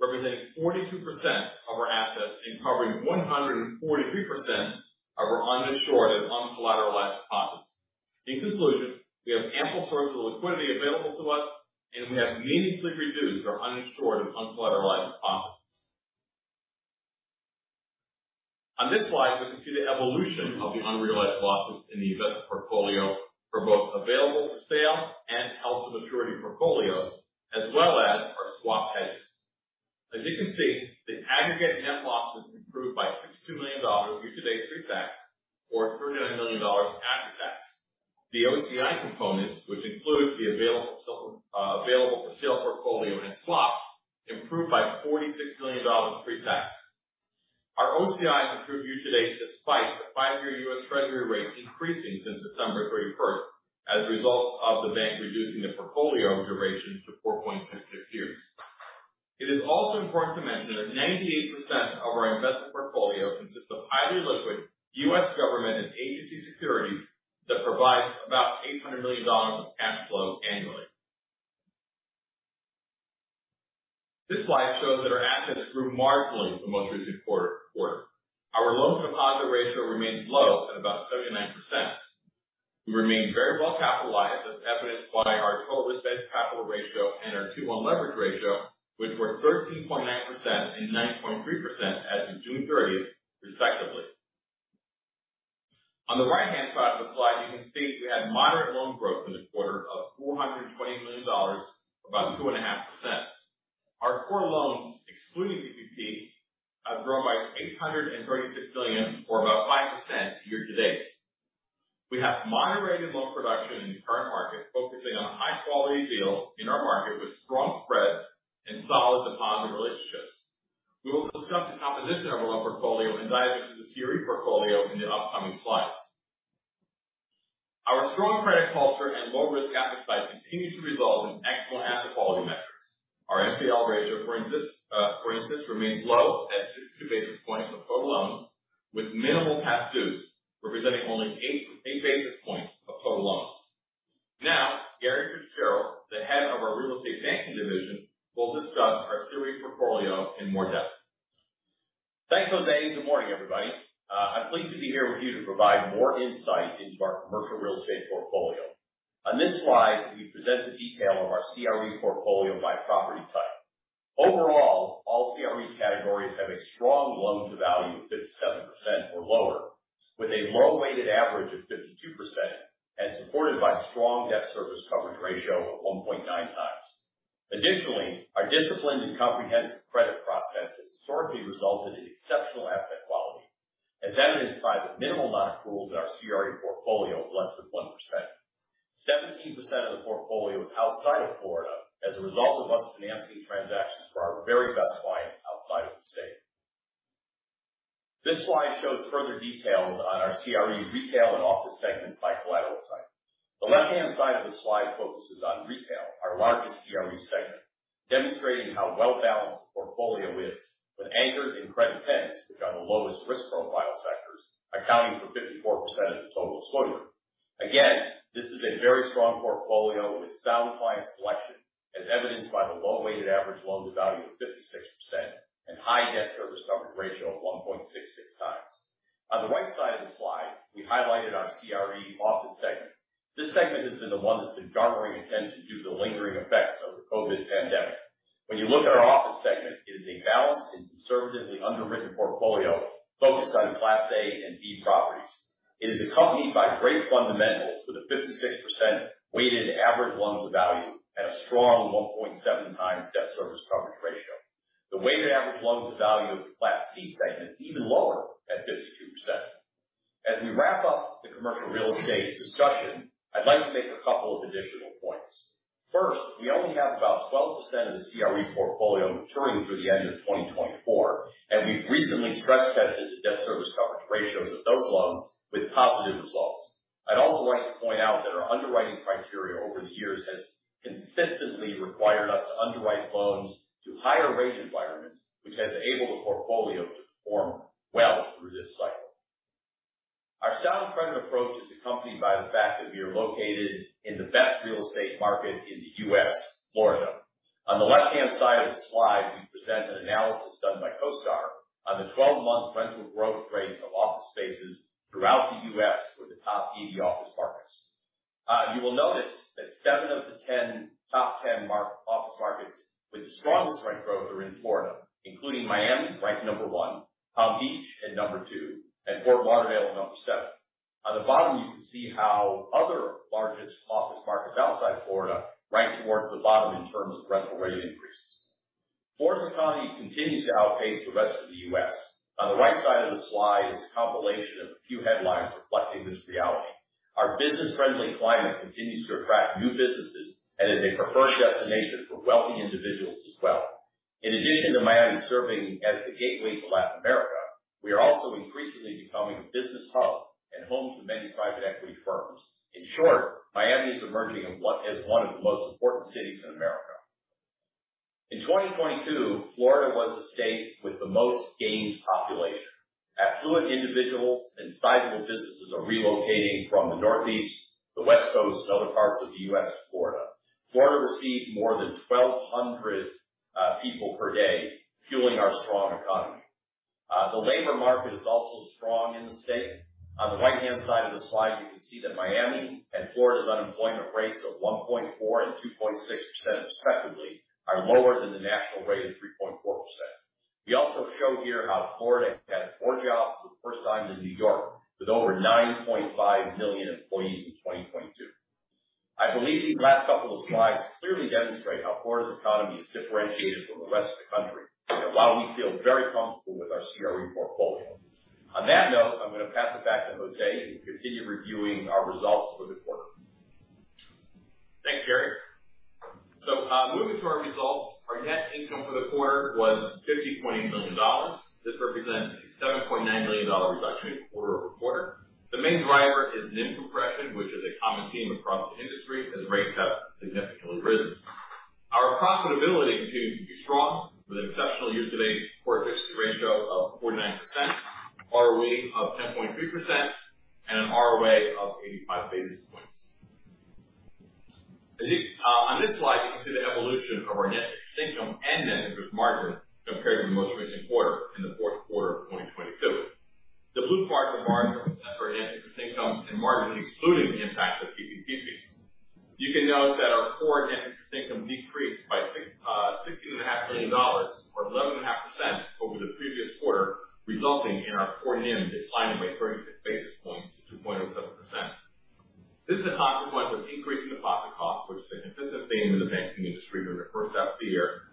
representing 42% of our assets and covering 143% of our uninsured and uncollateralized deposits. In conclusion, we have ample sources of liquidity available to us, and we have meaningfully reduced our uninsured and uncollateralized deposits. On this slide, we can see the evolution of the unrealized losses in the investment portfolio for both available for sale and held to maturity portfolios, as well as our swap hedges. As you can see, the aggregate net losses improved by $62 million year to date pre-tax or $30 million after tax. The OCI components, which include the available for sale portfolio and swaps, improved by $46 million pre-tax. Our OCIs improved year to date despite the five-year U.S. Treasury rate increasing since December 31st as a result of the bank reducing the portfolio duration to 4.66 years. It is also important to mention that 98% of our investment portfolio consists of highly liquid U.S. government and agency securities that provide about $800 million of cash flow annually. This slide shows that our assets grew marginally in the most recent quarter. Our loan to deposit ratio remains low at about 79%. We remain very well capitalized as evidenced by our total risk-based capital ratio and our 2:1 leverage ratio, which were 13.9% and 9.3% as of June 30th, respectively. On the right-hand side of the slide, you can see we had moderate loan growth in the quarter of $420 million, about 2.5%. Our core loans, excluding PPP, have grown by $836 million or about 5% year-to-date. We have moderated loan production in the current market, focusing on high quality deals in our market with strong spreads and solid deposit relationships. We will discuss the composition of our loan portfolio and dive into the CRE portfolio in the upcoming slides. Our strong credit culture and low risk appetite continue to result in excellent asset quality metrics. Our NPL ratio, for instance, remains low at 62 basis points of total loans, with minimal past dues representing only 8 basis points of total loans. Now, Gary Fitzgerald, Head of our Real Estate Banking Division, will discuss our CRE portfolio in more depth. Thanks, Jose. Good morning, everybody. I'm pleased to be here with you to provide more insight into our commercial real estate portfolio. On this slide, we present the detail of our CRE portfolio by property type. Overall, all CRE categories have a strong loan-to-value of 57% or lower, with a low weighted average of 52% and supported by strong debt service coverage ratio of 1.9x. Additionally, our disciplined and comprehensive credit process has historically resulted in exceptional asset quality, as evidenced by the minimal amount of NPLs in our CRE portfolio of less than 1%. 17% of the portfolio is outside of Florida as a result of us financing transactions for our very best clients outside of the state. This slide shows further details on our CRE retail and office segments by collateral type. The left-hand side of the slide focuses on retail, our largest CRE segment, demonstrating how well-balanced the portfolio is when anchored in credit tenants, which are the lowest risk profile sectors, accounting for 54% of the total portfolio. Again, this is a very strong portfolio with sound client selection, as evidenced by the low weighted average loan-to-value of 56% and high debt service coverage ratio of 1.66x. On the right side of the slide, we highlighted our CRE office segment. This segment has been the one that's been garnering attention due to lingering effects of the COVID pandemic. When you look at our office segment, it is a balanced and conservatively underwritten portfolio focused on class A and B properties. It is accompanied by great fundamentals with a 56% weighted average loan-to-value and a strong 1.7x debt service coverage ratio. The weighted average loan-to-value of the class C segment is even lower at 52%. As we wrap up the commercial real estate discussion, I'd like to make a couple of additional points. First, we only have about 12% of the CRE portfolio maturing through the end of 2024, and we've recently stress tested the debt service coverage ratios of those loans with positive results. I'd also like to point out that our underwriting criteria over the years has consistently required us to underwrite loans to higher rate environments, which has enabled the portfolio to perform well through this cycle. Our sound credit approach is accompanied by the fact that we are located in the best real estate market in the U.S., Florida. On the left-hand side of the slide, we present an analysis done by CoStar on the 12-month rental growth rate of office spaces throughout the U.S. for the top 80 office markets. You will notice that seven of the ten top 10 major office markets with the strongest rent growth are in Florida, including Miami ranked number one, Palm Beach at number two, and Fort Lauderdale at number seven. On the bottom, you can see how other largest office markets outside Florida rank towards the bottom in terms of rental rate increases. Florida's economy continues to outpace the rest of the U.S. On the right side of the slide is a compilation of a few headlines reflecting this reality. Our business-friendly climate continues to attract new businesses and is a preferred destination for wealthy individuals as well. In addition to Miami serving as the gateway to Latin America, we are also increasingly becoming a business hub and home to many private equity firms. In short, Miami is emerging as what is one of the most important cities in America. In 2022, Florida was the state with the most gained population. Affluent individuals and sizable businesses are relocating from the Northeast, the West Coast, and other parts of the U.S. to Florida. Florida received more than 1,200 people per day, fueling our strong economy. The labor market is also strong in the state. On the right-hand side of the slide, you can see that Miami and Florida's unemployment rates of 1.4% and 2.6% respectively, are lower than the national rate of 3.4%. We also show here how Florida has more jobs for the first time than New York with over 9.5 million employees in 2022. I believe these last couple of slides clearly demonstrate how Florida's economy is differentiated from the rest of the country and allows us to feel very comfortable with our CRE portfolio. On that note, I'm going to pass it back to Jose, who will continue reviewing our results for the quarter. Thanks, Gary. Moving to our results, our net income for the quarter was $50.8 million. This represents a $7.9 million reduction quarter-over-quarter. The main driver is NIM compression, which is a common theme across the industry as rates have significantly risen. Our profitability continues to be strong with an exceptional year-to-date core efficiency ratio of 49%, ROE of 10.3%, and an ROA of 85 basis points. On this slide, you can see the evolution of our net interest income and net interest margin compared to the most recent quarter in the fourth quarter of 2022. The blue part of the margin represents our net interest income and margin excluding the impact of PPP fees. You can note that our core net interest income decreased by $16.5 million or 11.5% over the previous quarter, resulting in our core NIM declining by 36 basis points to 2.07%. This is a consequence of increasing deposit costs, which has been a consistent theme in the banking industry during the first half of the year,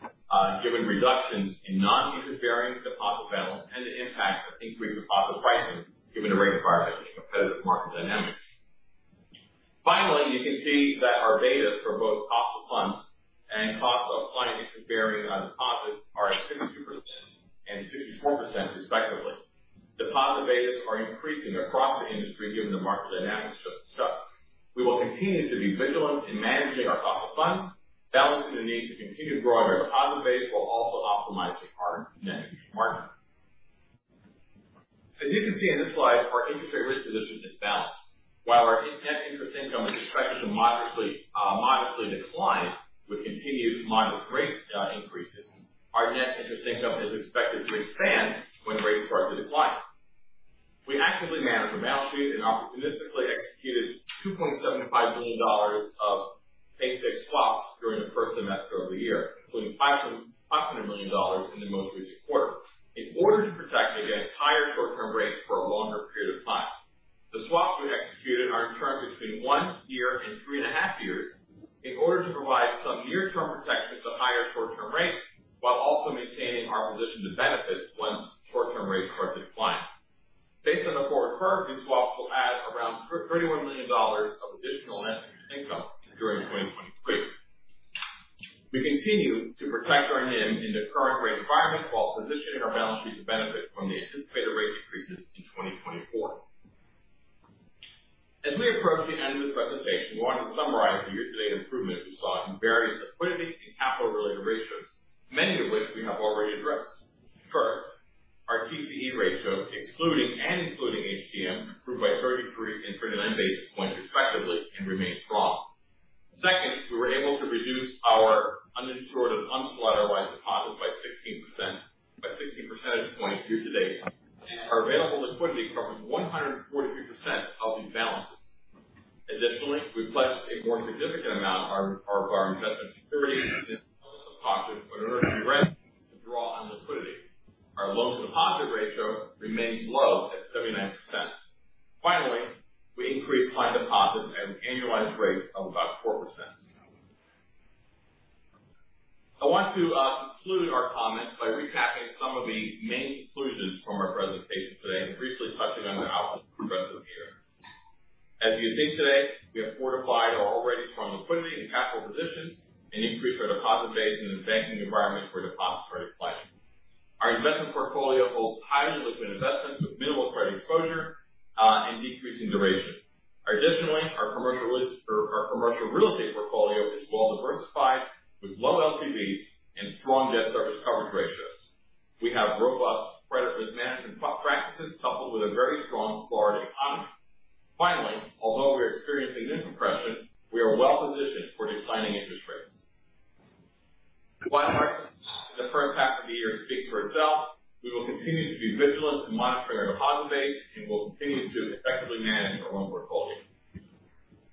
given reductions in non-interest-bearing deposit balance and the impact of increased deposit pricing given the rate environment and competitive market dynamics. Finally, you can see that our betas for both cost of funds and cost of funding interest-bearing deposits are at 62% and 64% respectively. Deposit betas are increasing across the industry given the market dynamics just discussed. We will continue to be vigilant in managing our cost of funds, balancing the need to continue growing our deposit base while also optimizing our net interest margin. As you can see in this slide, our interest rate risk position is balanced. While our net interest income is expected to modestly decline with continued modest rate increases, our net interest income is expected to expand when rates start to decline. We actively manage the balance sheet and opportunistically executed $2.75 billion of basis swaps during the first semester of the year, including $500 million in the most recent quarter. In order to protect against higher short-term rates for a longer period of time, the swaps we executed are in turn between one year and 3.5 years in order to provide some near-term protection to higher short-term rates, while also maintaining our position to benefit once short-term rates start declining. Based on the forward curve, these swaps will add around $31 million of additional net interest income during 2023. We continue to protect our NIM in the current rate environment while positioning our balance sheet to benefit from the anticipated rate increases in 2024. As we approach the end of this presentation, we want to summarize the year-to-date improvement we saw in various liquidity and capital-related ratios, many of which we have already addressed. First, our TCE ratio, excluding and including HTM, improved by 33 basis points and 39 basis points respectively and remains strong. Second, we were able to reduce our uninsured and uncollateralized deposits by 16%, by 16 percentage points year-to-date, and our available liquidity covered 143% of these balances. Additionally, we pledged a more significant amount of our investment securities as public deposit in order to be ready to draw on liquidity. Our loan to deposit ratio remains low at 79%. Finally, we increased client deposits at an annualized rate of about 4%. I want to conclude our comments by recapping some of the main conclusions from our presentation today and briefly touching on our progress this year. As you have seen today, we have fortified our already strong liquidity and capital positions and increased our deposit base in a banking environment where deposits are declining. Our investment portfolio holds highly liquid investments with minimal credit exposure, and decreasing duration. Additionally, our commercial real estate portfolio is well diversified with low LTVs and strong debt service coverage ratios. We have robust credit risk management practices coupled with a very strong Florida economy. Finally, although we are experiencing NIM compression, we are well positioned for declining interest rates. While our first half of the year speaks for itself, we will continue to be vigilant in monitoring our deposit base, and we'll continue to effectively manage our loan portfolio.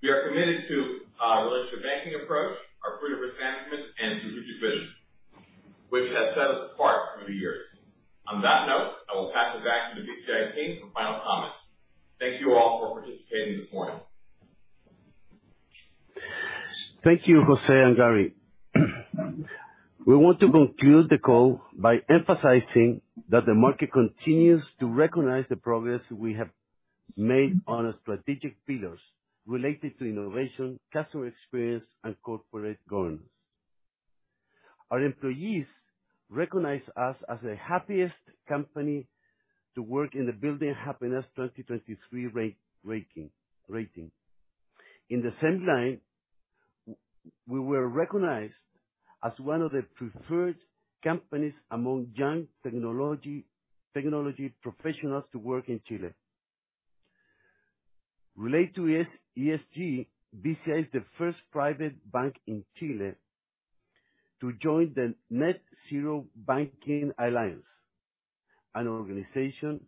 We are committed to our relationship banking approach, our prudent risk management, and strategic vision, which has set us apart through the years. On that note, I will pass it back to the Bci team for final comments. Thank you all for participating this morning. Thank you, Jose and Gary. We want to conclude the call by emphasizing that the market continues to recognize the progress we have made on our strategic pillars related to innovation, customer experience, and corporate governance. Our employees recognize us as the happiest company to work in the Building Happiness 2023 ranking. In the same line, we were recognized as one of the preferred companies among young technology professionals to work in Chile. Related to ESG, Bci is the first private bank in Chile to join the Net Zero Banking Alliance, an organization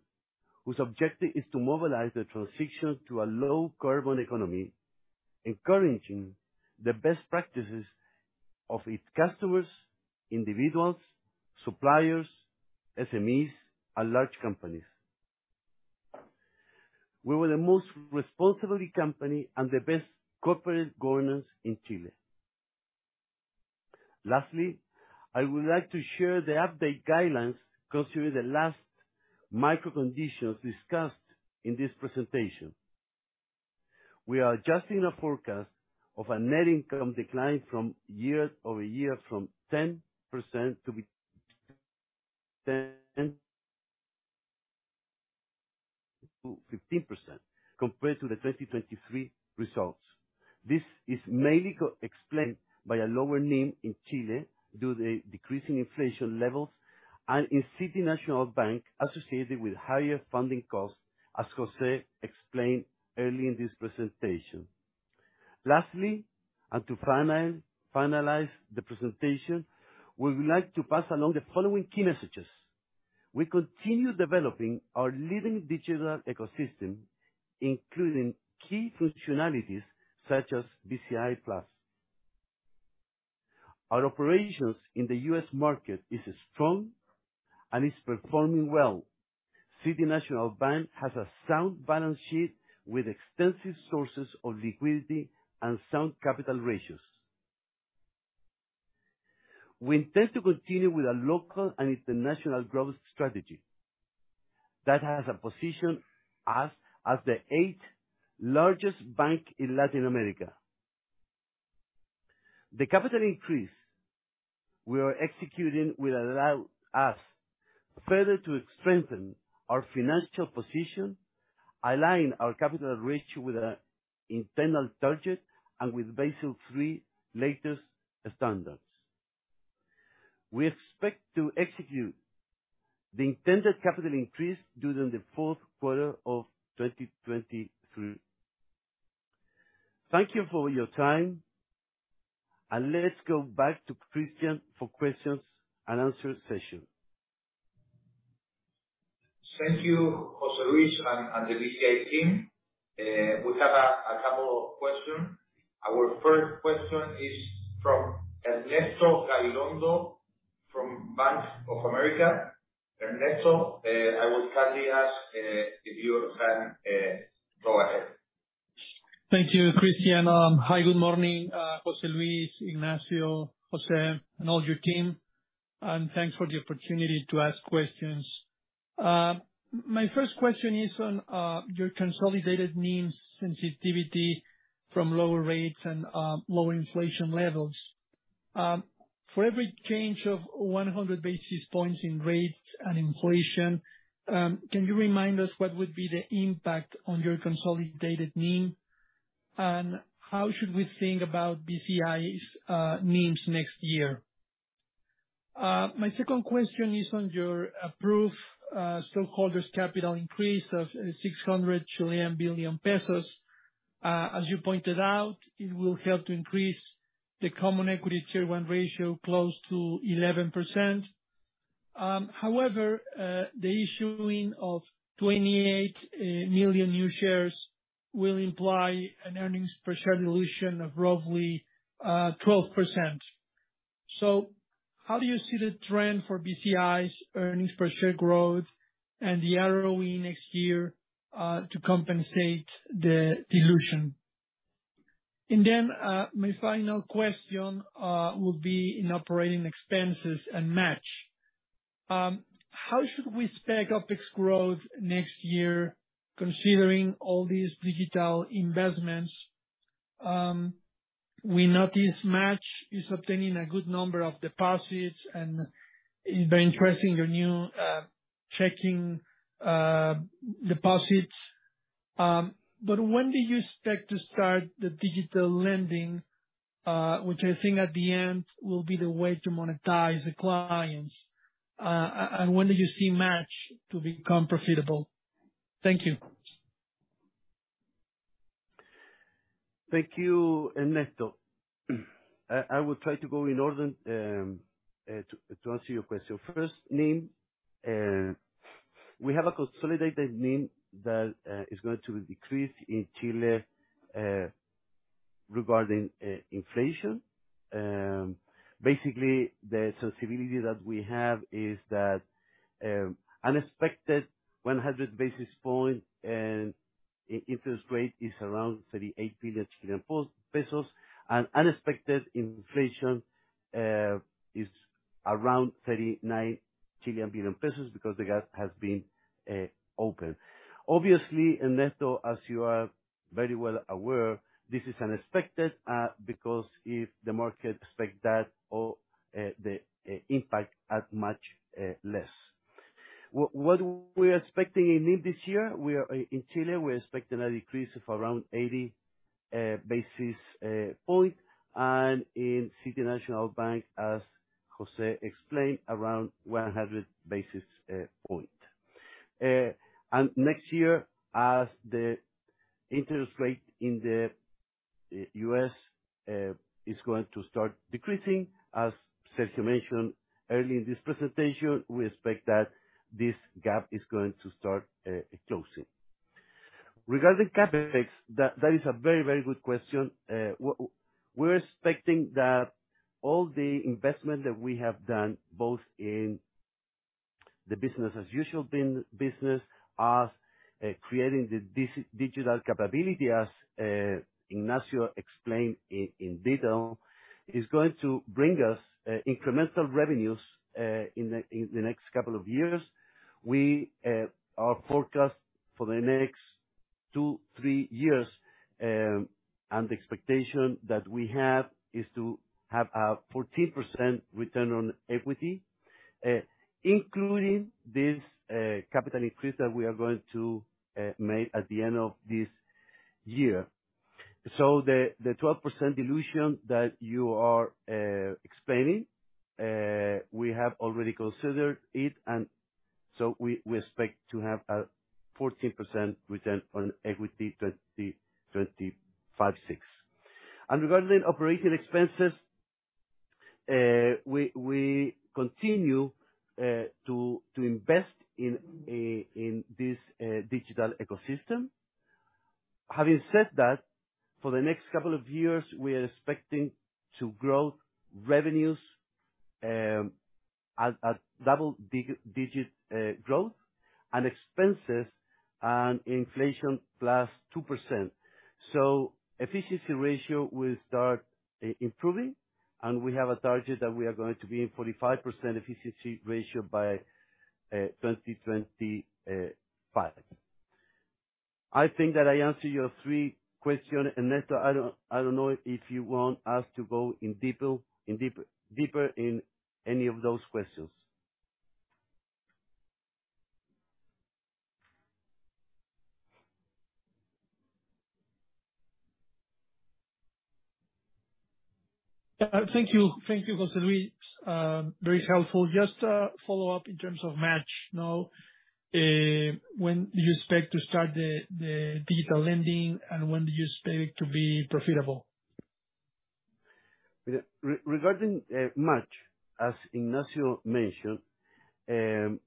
whose objective is to mobilize the transition to a low carbon economy, encouraging the best practices of its customers, individuals, suppliers, SMEs, and large companies. We were the most responsible company and the best corporate governance in Chile. Lastly, I would like to share the updated guidelines considering the last macro conditions discussed in this presentation. We are adjusting the forecast of a net income decline year-over-year from 10% to 10%-15% compared to the 2023 results. This is mainly explained by a lower NIM in Chile due to the decreasing inflation levels and in City National Bank associated with higher funding costs, as Jose explained earlier in this presentation. Lastly, and to finalize the presentation, we would like to pass along the following key messages. We continue developing our leading digital ecosystem, including key functionalities such as BciPlus+. Our operations in the U.S. market is strong and is performing well. City National Bank has a sound balance sheet with extensive sources of liquidity and sound capital ratios. We intend to continue with a local and international growth strategy that has positioned us as the eighth largest bank in Latin America. The capital increase we are executing will allow us further to strengthen our financial position, align our capital ratio with our internal target, and with Basel III latest standards. We expect to execute the intended capital increase during the fourth quarter of 2023. Thank you for your time, and let's go back to Cristian for questions and answer session. Thank you, José Luis and the Bci team. We have a couple of question. Our first question is from Ernesto Gabilondo from Bank of America. Ernesto, I would kindly ask if you can go ahead. Thank you, Cristian. Hi, good morning, José Luis, Ignacio, Jose, and all your team, and thanks for the opportunity to ask questions. My first question is on your consolidated NIM sensitivity from lower rates and lower inflation levels. For every change of 100 basis points in rates and inflation, can you remind us what would be the impact on your consolidated NIM, and how should we think about Bci's NIMs next year? My second question is on your approved stockholders' capital increase of 600 billion pesos. As you pointed out, it will help to increase the Common Equity Tier 1 ratio close to 11%. However, the issuing of 28 million new shares will imply an earnings per share dilution of roughly 12%. How do you see the trend for Bci's earnings per share growth and the ROE next year to compensate the dilution? My final question will be in operating expenses and MACH. How should we expect OpEx growth next year considering all these digital investments? We notice MACH is obtaining a good number of deposits and is very interesting, your new checking deposits. But when do you expect to start the digital lending, which I think at the end will be the way to monetize the clients? And when do you see MACH to become profitable? Thank you. Thank you, Ernesto. I will try to go in order to answer your question. First, NIM, we have a consolidated NIM that is going to decrease in Chile regarding inflation. Basically, the sensitivity that we have is that unexpected 100 basis point and interest rate is around 38 billion Chilean pesos, and unexpected inflation is around 39 billion pesos because the gap has been open. Obviously, Ernesto, as you are very well aware, this is unexpected because if the market expect that or the impact at much less. What we're expecting in NIM this year in Chile, we're expecting a decrease of around 80 basis point, and in City National Bank, as Jose explained, around 100 basis point. Next year, as the interest rate in the U.S. is going to start decreasing, as Sergio mentioned earlier in this presentation, we expect that this gap is going to start closing. Regarding CapEx, that is a very good question. We're expecting that all the investment that we have done, both in the business as usual business, as creating the digital capability, as Ignacio explained in detail, is going to bring us incremental revenues in the next couple of years. Our forecast for the next two, three years, and the expectation that we have is to have a 14% return on equity, including this capital increase that we are going to make at the end of this year. The 12% dilution that you are explaining, we have already considered it, and we expect to have a 14% return on equity 2025, 2026. Regarding operating expenses, we continue to invest in this digital ecosystem. Having said that, for the next couple of years we are expecting to grow revenues at double-digit growth and expenses on inflation +2%. Efficiency ratio will start improving, and we have a target that we are going to be in 45% efficiency ratio by 2025. I think that I answered your three questions, Ernesto. I don't know if you want us to go deeper in any of those questions. Thank you. Thank you, José Luis. Very helpful. Just a follow-up in terms of MACH now. When do you expect to start the digital lending, and when do you expect to be profitable? Regarding MACH, as Ignacio mentioned,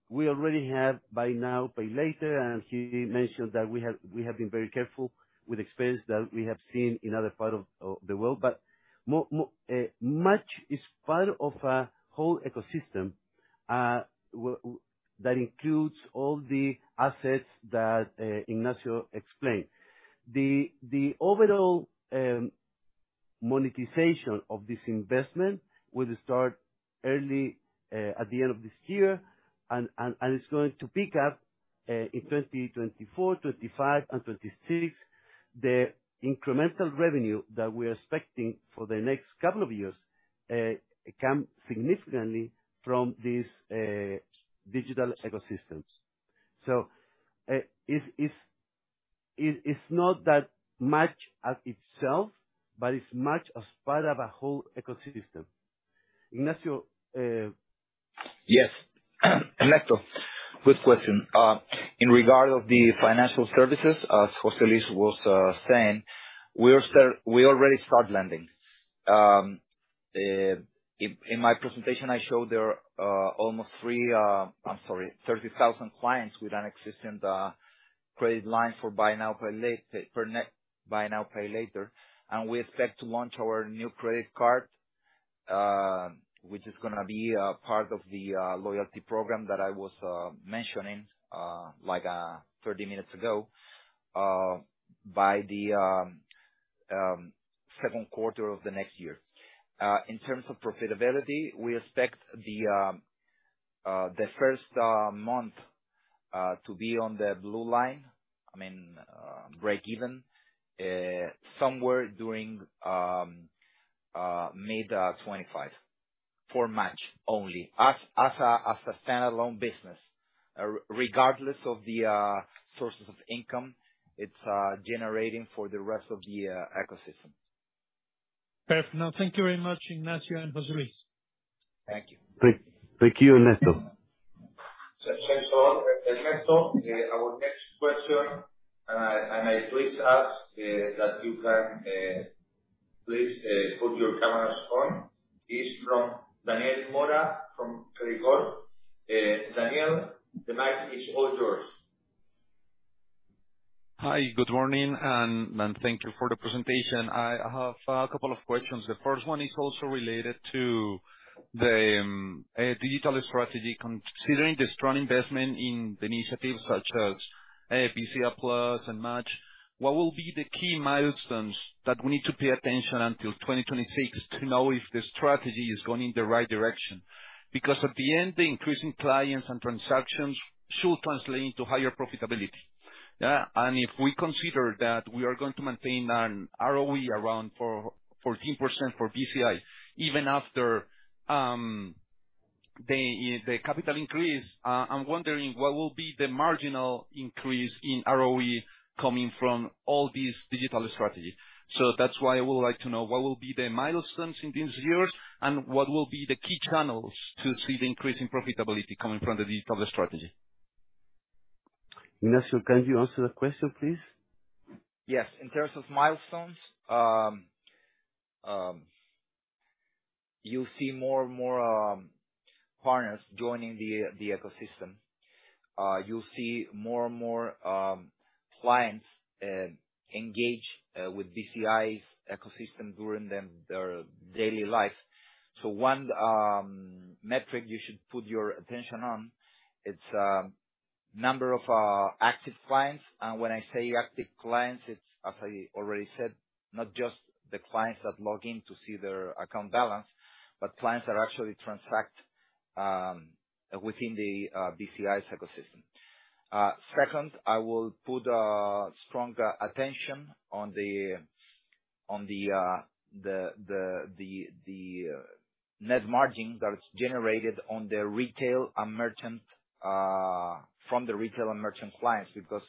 we already have Buy Now, Pay Later, and he mentioned that we have been very careful with expenses that we have seen in other parts of the world. But more, MACH is part of a whole ecosystem that includes all the assets that Ignacio explained. The overall monetization of this investment will start early at the end of this year and it's going to pick up in 2024, 2025 and 2026. The incremental revenue that we're expecting for the next couple of years come significantly from these digital ecosystems. So, it's not that much as itself, but it's more as part of a whole ecosystem. Ignacio, Yes. Ernesto, good question. In regard of the financial services, as José Luis was saying, we already start lending. In my presentation, I showed there are almost 30,000 clients with an existing credit line for Buy Now, Pay Later. We expect to launch our new credit card, which is gonna be part of the loyalty program that I was mentioning like 30 minutes ago, by the second quarter of the next year. In terms of profitability, we expect the first month to be on the blue line, I mean, break even, somewhere during mid-2025 for MACH only as a standalone business, regardless of the sources of income it's generating for the rest of the ecosystem. Perfect. Now thank you very much, Ignacio and José Luis. Thank you. Thank you, Ernesto. Thanks a lot, Ernesto. Our next question, and I please ask that you can please put your cameras on, is from Daniel Mora from Credicorp. Daniel, the mic is all yours. Hi, good morning, and thank you for the presentation. I have a couple of questions. The first one is also related to the digital strategy. Considering the strong investment in the initiatives such as BciPlus+ and MACH, what will be the key milestones that we need to pay attention until 2026 to know if the strategy is going in the right direction? Because at the end, the increase in clients and transactions should translate into higher profitability. If we consider that we are going to maintain an ROE around 14% for Bci, even after the capital increase, I'm wondering what will be the marginal increase in ROE coming from all these digital strategy. That's why I would like to know what will be the milestones in these years, and what will be the key channels to see the increase in profitability coming from the digital strategy. Ignacio, can you answer the question, please? Yes. In terms of milestones, you'll see more and more partners joining the ecosystem. You'll see more and more clients engage with Bci's ecosystem during their daily life. One metric you should put your attention on, it's number of active clients. When I say active clients, it's, as I already said, not just the clients that log in to see their account balance, but clients that actually transact within Bci's ecosystem. Second, I will put strong attention on the net margin that is generated on the retail and merchant from the retail and merchant clients, because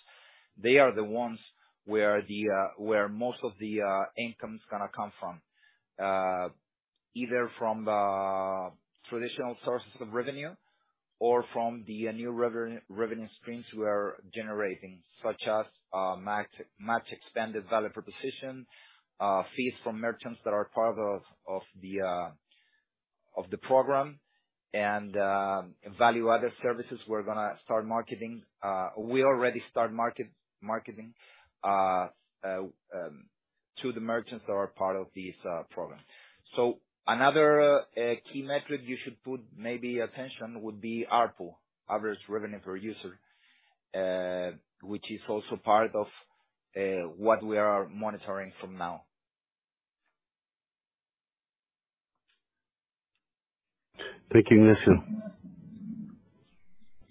they are the ones where most of the income's gonna come from. Either from the traditional sources of revenue or from the new revenue streams we are generating, such as MACH expanded value proposition, fees from merchants that are part of the program and value-added services we're gonna start marketing. We already start marketing to the merchants that are part of this program. Another key metric you should maybe pay attention to would be ARPU, average revenue per user, which is also part of what we are monitoring from now. Thank you, Ignacio.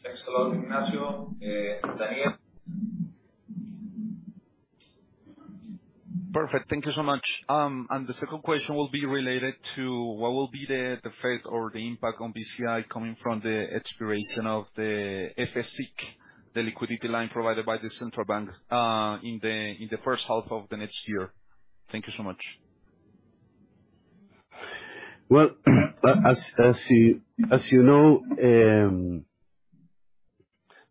Thanks a lot, Ignacio. Daniel? Perfect. Thank you so much. The second question will be related to what will be the effect or the impact on Bci coming from the expiration of the FCIC, the liquidity line provided by the central bank, in the first half of the next year. Thank you so much. Well, as you know,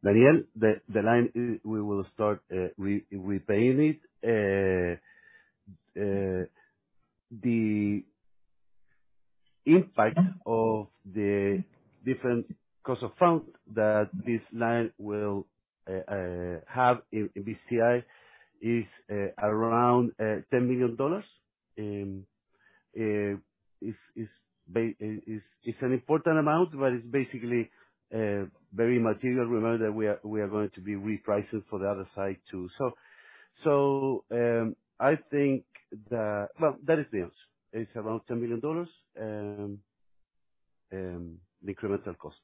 Daniel, the line we will start repaying it. The impact of the different cost of fund that this line will have in Bci is around $10 million, is an important amount, but it's basically very material. Remember that we are going to be repricing for the other side too. Well, that is it. It's around $10 million, the incremental cost.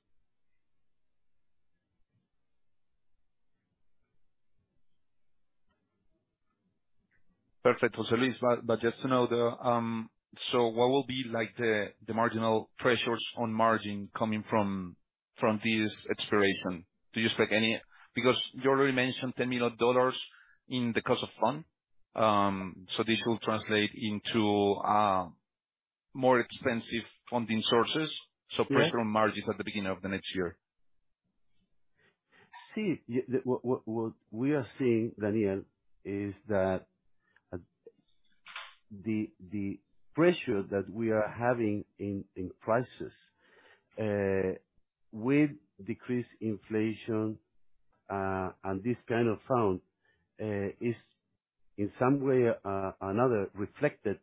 Perfect, José Luis. Just to know what will be like the marginal pressures on margin coming from this expiration? Do you expect any? Because you already mentioned $10 million in the cost of funds. This will translate into more expensive funding sources. Yes. Pressure on margins at the beginning of the next year. What we are seeing, Daniel, is that the pressure that we are having in prices with decreased inflation and this kind of fund is in some way or another reflected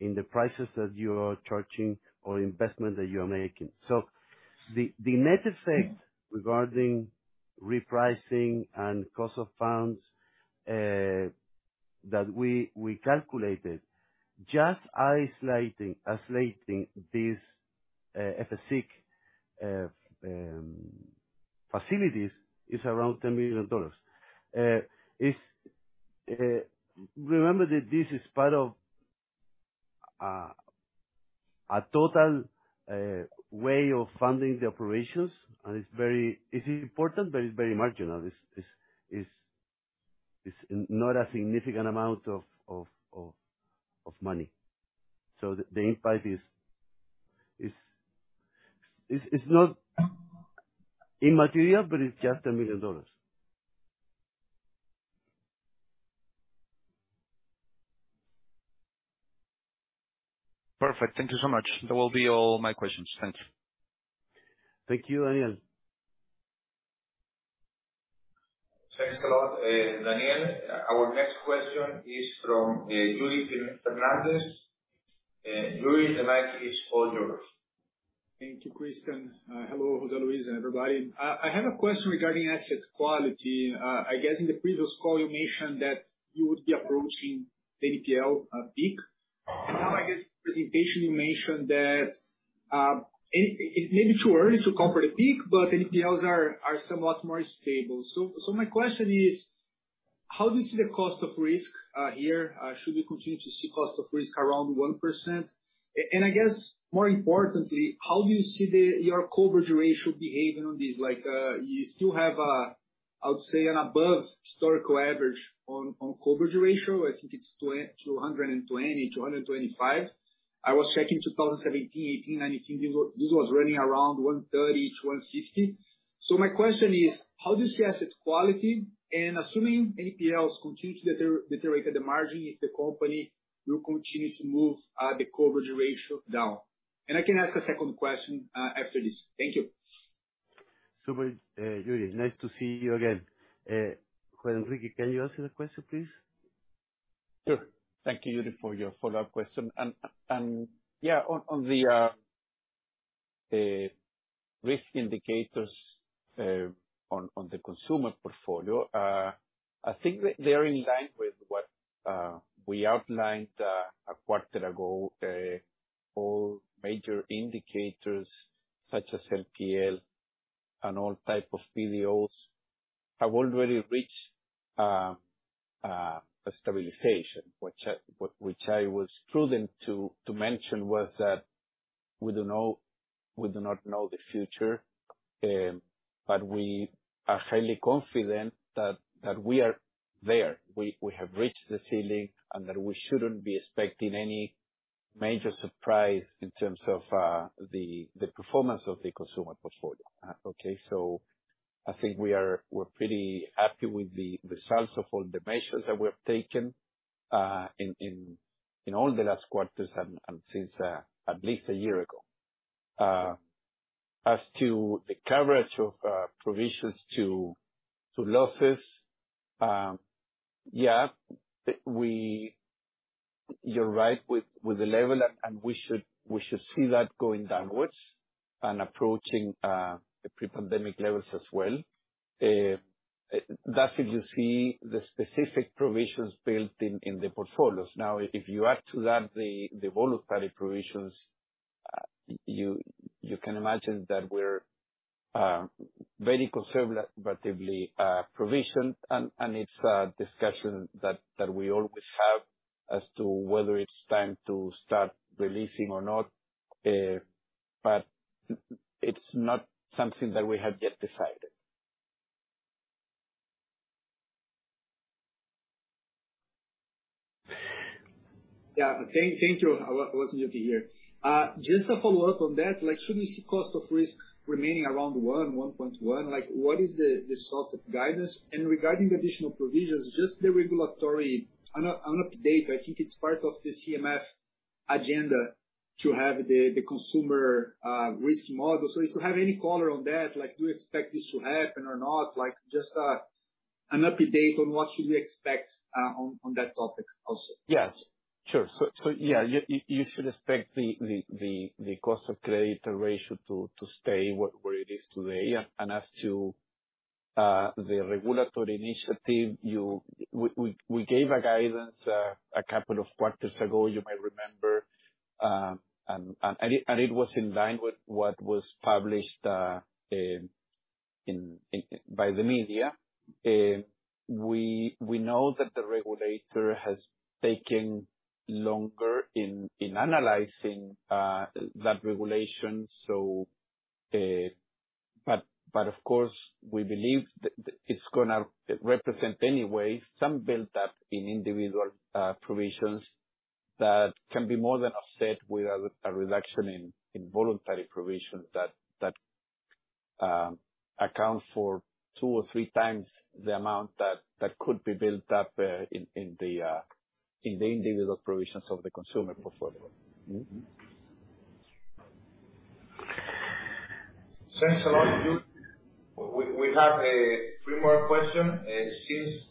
in the prices that you are charging or investment that you are making. The net effect regarding repricing and cost of funds that we calculated, just isolating these FCIC facilities is around $10 million. Remember that this is part of a total way of funding the operations, and it's very important, but it's very marginal. This is not a significant amount of money. The impact is not immaterial, but it's just $1 million. Perfect. Thank you so much. That will be all my questions. Thank you. Thank you, Daniel. Thanks a lot, Daniel. Our next question is from Yuri Fernandes. Yuri, the mic is all yours. Thank you, Cristian. Hello, José Luis and everybody. I have a question regarding asset quality. I guess in the previous call, you mentioned that you would be approaching the NPL peak. Now, in the presentation you mentioned that it may be too early to call for the peak, but NPLs are somewhat more stable. My question is: How do you see the cost of risk here? Should we continue to see cost of risk around 1%? And I guess more importantly, how do you see your coverage ratio behaving on this? Like, you still have a, I would say, an above historical average on coverage ratio. I think it's 220%, 225%. I was checking 2017, 2018, 2019, this was running around 130%-150%. My question is: How do you see asset quality? Assuming NPLs continue to deteriorate at the margin, if the company will continue to move the coverage ratio down. I can ask a second question after this. Thank you. Super. Yuri, nice to see you again. Juan Enrique, can you answer the question, please? Sure. Thank you, Yuri, for your follow-up question. Yeah, on the risk indicators on the consumer portfolio, I think they're in line with what we outlined a quarter ago. All major indicators such as NPL and all type of PDOs have already reached a stabilization, which I was prudent to mention was that we do not know the future, but we are highly confident that we are there. We have reached the ceiling, and that we shouldn't be expecting any major surprise in terms of the performance of the consumer portfolio. Okay. I think we're pretty happy with the results of all the measures that we have taken in all the last quarters and since at least a year ago. As to the coverage of provisions to losses, yeah, you're right with the level, and we should see that going downwards and approaching pre-pandemic levels as well. That's if you see the specific provisions built in the portfolios. Now, if you add to that the voluntary provisions, you can imagine that we're very conservatively provisioned, and it's a discussion that we always have as to whether it's time to start releasing or not. It's not something that we have yet decided. Thank you. José Luis, can you hear? Just a follow-up on that, like, should we see cost of risk remaining around 1.1%? Like, what is the sort of guidance? Regarding the additional provisions, just a regulatory update, I think it's part of this CMF agenda to have the consumer risk model. If you have any color on that, like do you expect this to happen or not? Like, just an update on what should we expect on that topic also. Yes, sure. Yeah, you should expect the cost of credit ratio to stay where it is today. As to the regulatory initiative, we gave guidance a couple of quarters ago, you may remember. It was in line with what was published by the media. We know that the regulator has taken longer in analyzing that regulation. Of course, we believe that it's gonna represent anyway some build up in individual provisions that can be more than offset with a reduction in voluntary provisions that account for two or three times the amount that could be built up in the individual provisions of the consumer portfolio. Thanks a lot. We have three more question. Since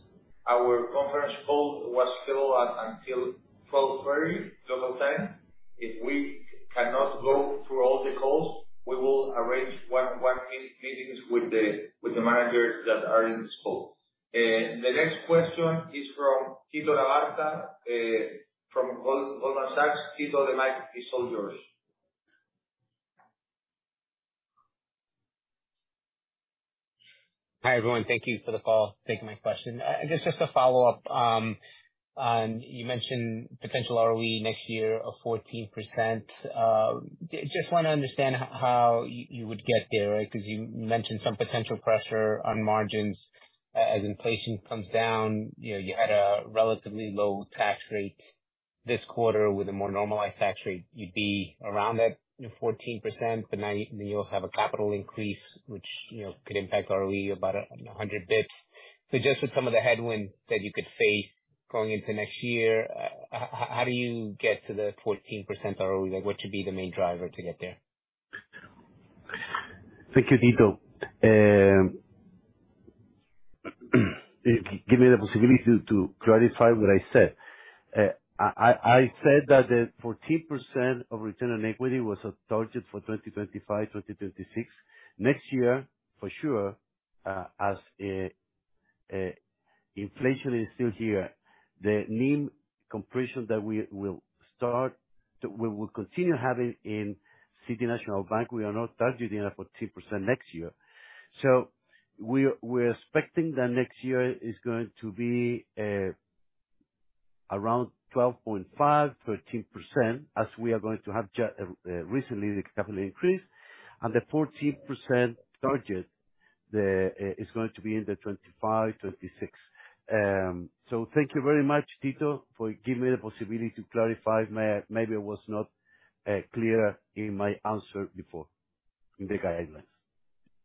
our conference call was scheduled until 12:30 local time, if we cannot go through all the calls, we will arrange one-on-one meetings with the managers that are in this call. The next question is from Tito Labarta from Goldman Sachs. Tito, the mic is all yours. Hi, everyone. Thank you for taking my question. Just as a follow-up, you mentioned potential ROE next year of 14%. Just wanna understand how you would get there, right? 'Cause you mentioned some potential pressure on margins as inflation comes down. You know, you had a relatively low tax rate this quarter. With a more normalized tax rate, you'd be around that 14%, but then you also have a capital increase, which, you know, could impact ROE about 100 bps. Just with some of the headwinds that you could face going into next year, how do you get to the 14% ROE? Like, what should be the main driver to get there? Thank you, Tito. Give me the possibility to clarify what I said. I said that the 14% of return on equity was a target for 2025, 2026. Next year, for sure, as inflation is still here, the NIM compression that we will start, we will continue having in City National Bank, we are not targeting a 14% next year. We're expecting that next year is going to be around 12.5%-13%, as we are going to have recently the capital increase. The 14% target is going to be in 2025, 2026. Thank you very much, Tito, for giving me the possibility to clarify. Maybe I was not clear in my answer before in the guidelines.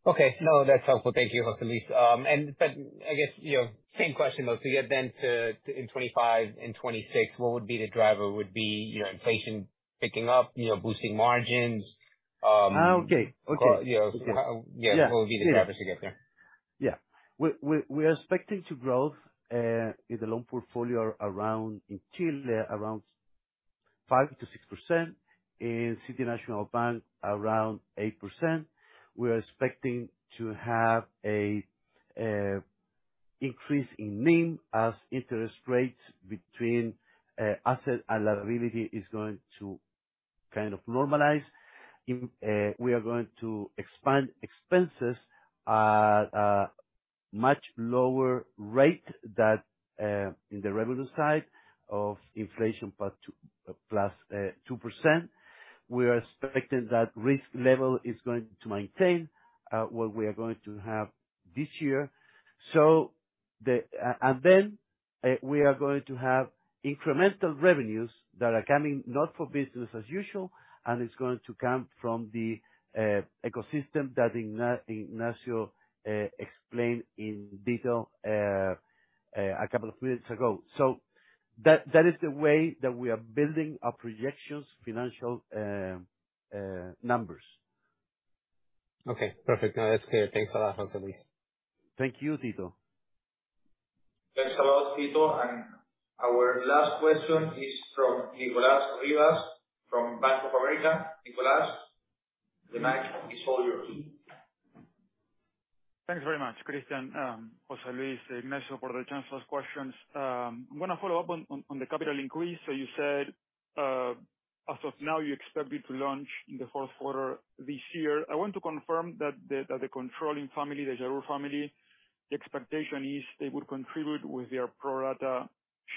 Okay. No, that's helpful. Thank you, José Luis. I guess, you know, same question though. To get then to in 2025 and 2026, what would be the driver? Would it be, you know, inflation picking up, you know, boosting margins? Okay. You know, yeah, what would be the driver to get there? Yeah. We are expecting to grow in the loan portfolio around, in Chile, around 5%-6%. In City National Bank, around 8%. We are expecting to have an increase in NIM as interest rates between asset and liability is going to kind of normalize. We are going to expand expenses at a much lower rate than in the revenue side of inflation plus 2%. We are expecting that risk level is going to maintain what we are going to have this year. And then we are going to have incremental revenues that are coming not from business as usual, and it's going to come from the ecosystem that Ignacio explained in detail a couple of minutes ago. That is the way that we are building our financial projections numbers. Okay. Perfect. No, that's clear. Thanks a lot, José Luis. Thank you, Tito. Thanks a lot, Tito. Our last question is from Nicolas Riva from Bank of America. Nicolas, the mic is all yours. Thanks very much, Cristian, José Luis, Ignacio, for the chance to ask questions. I'm gonna follow up on the capital increase. You said as of now, you expect it to launch in the fourth quarter this year. I want to confirm that the controlling family, the Yarur family, the expectation is they will contribute with their pro rata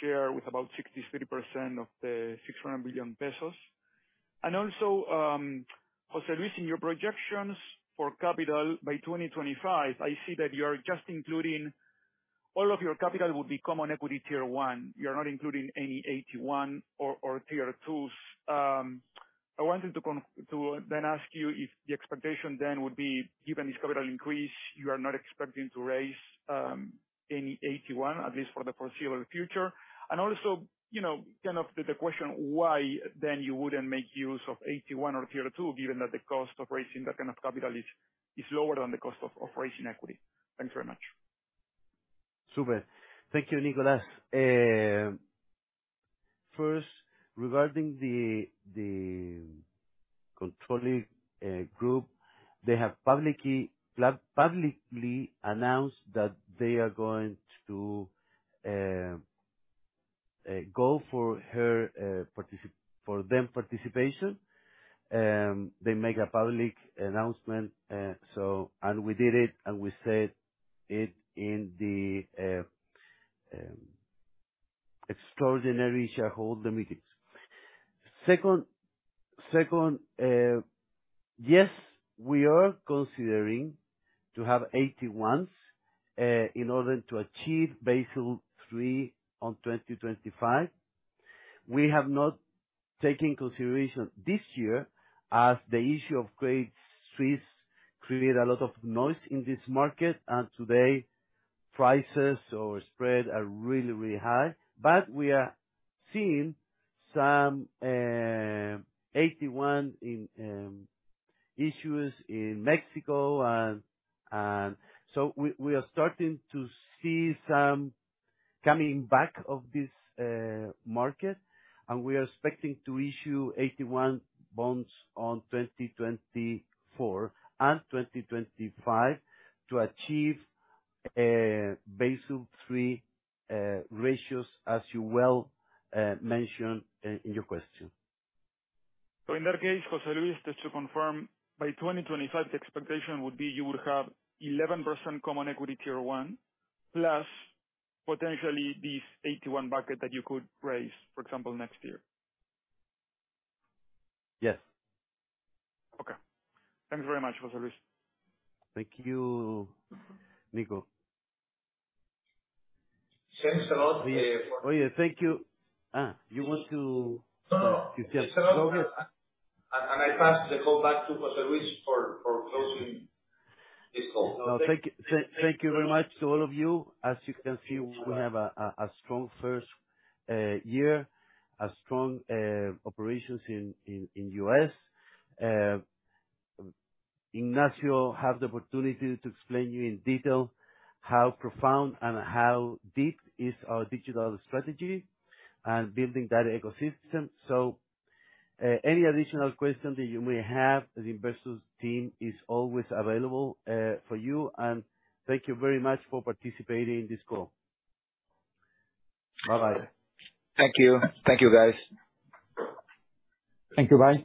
share with about 63% of the 600 million pesos. Jose Luis, in your projections for capital by 2025, I see that you are just including all of your capital will be Common Equity Tier 1. You're not including any AT1 or Tier 2s. I wanted to then ask you if the expectation then would be, given this capital increase, you are not expecting to raise any AT1, at least for the foreseeable future. Also, you know, kind of the question, why then you wouldn't make use of AT1 or Tier 2, given that the cost of raising that kind of capital is lower than the cost of raising equity. Thanks very much. Super. Thank you, Nicolas. First, regarding the controlling group, they have publicly announced that they are going to go for higher participation. They made a public announcement, so we did it, and we said it in the extraordinary shareholder meetings. Second, yes, we are considering to have AT1s in order to achieve Basel III on 2025. We have not taken consideration this year as the issue of Credit Suisse created a lot of noise in this market, and today prices or spread are really high. We are seeing some AT1 in issuers in Mexico and so we are starting to see some coming back of this market, and we are expecting to issue AT1 bonds on 2024 and 2025 to achieve Basel III ratios as you well mentioned in your question. In that case, José Luis, just to confirm, by 2025, the expectation would be you would have 11% Common Equity Tier 1, plus potentially this AT1 bucket that you could raise, for example, next year. Yes. Okay. Thanks very much, José Luis. Thank you, Nico. Thanks a lot, Oh, yeah. Thank you. No, no. Okay. I pass the call back to José Luis for closing this call. No, thank you very much to all of you. As you can see, we have a strong first year, a strong operations in U.S. Ignacio had the opportunity to explain to you in detail how profound and how deep is our digital strategy and building that ecosystem. Any additional question that you may have, the Investor Relations team is always available for you. Thank you very much for participating in this call. Bye-bye. Thank you. Thank you, guys. Thank you. Bye.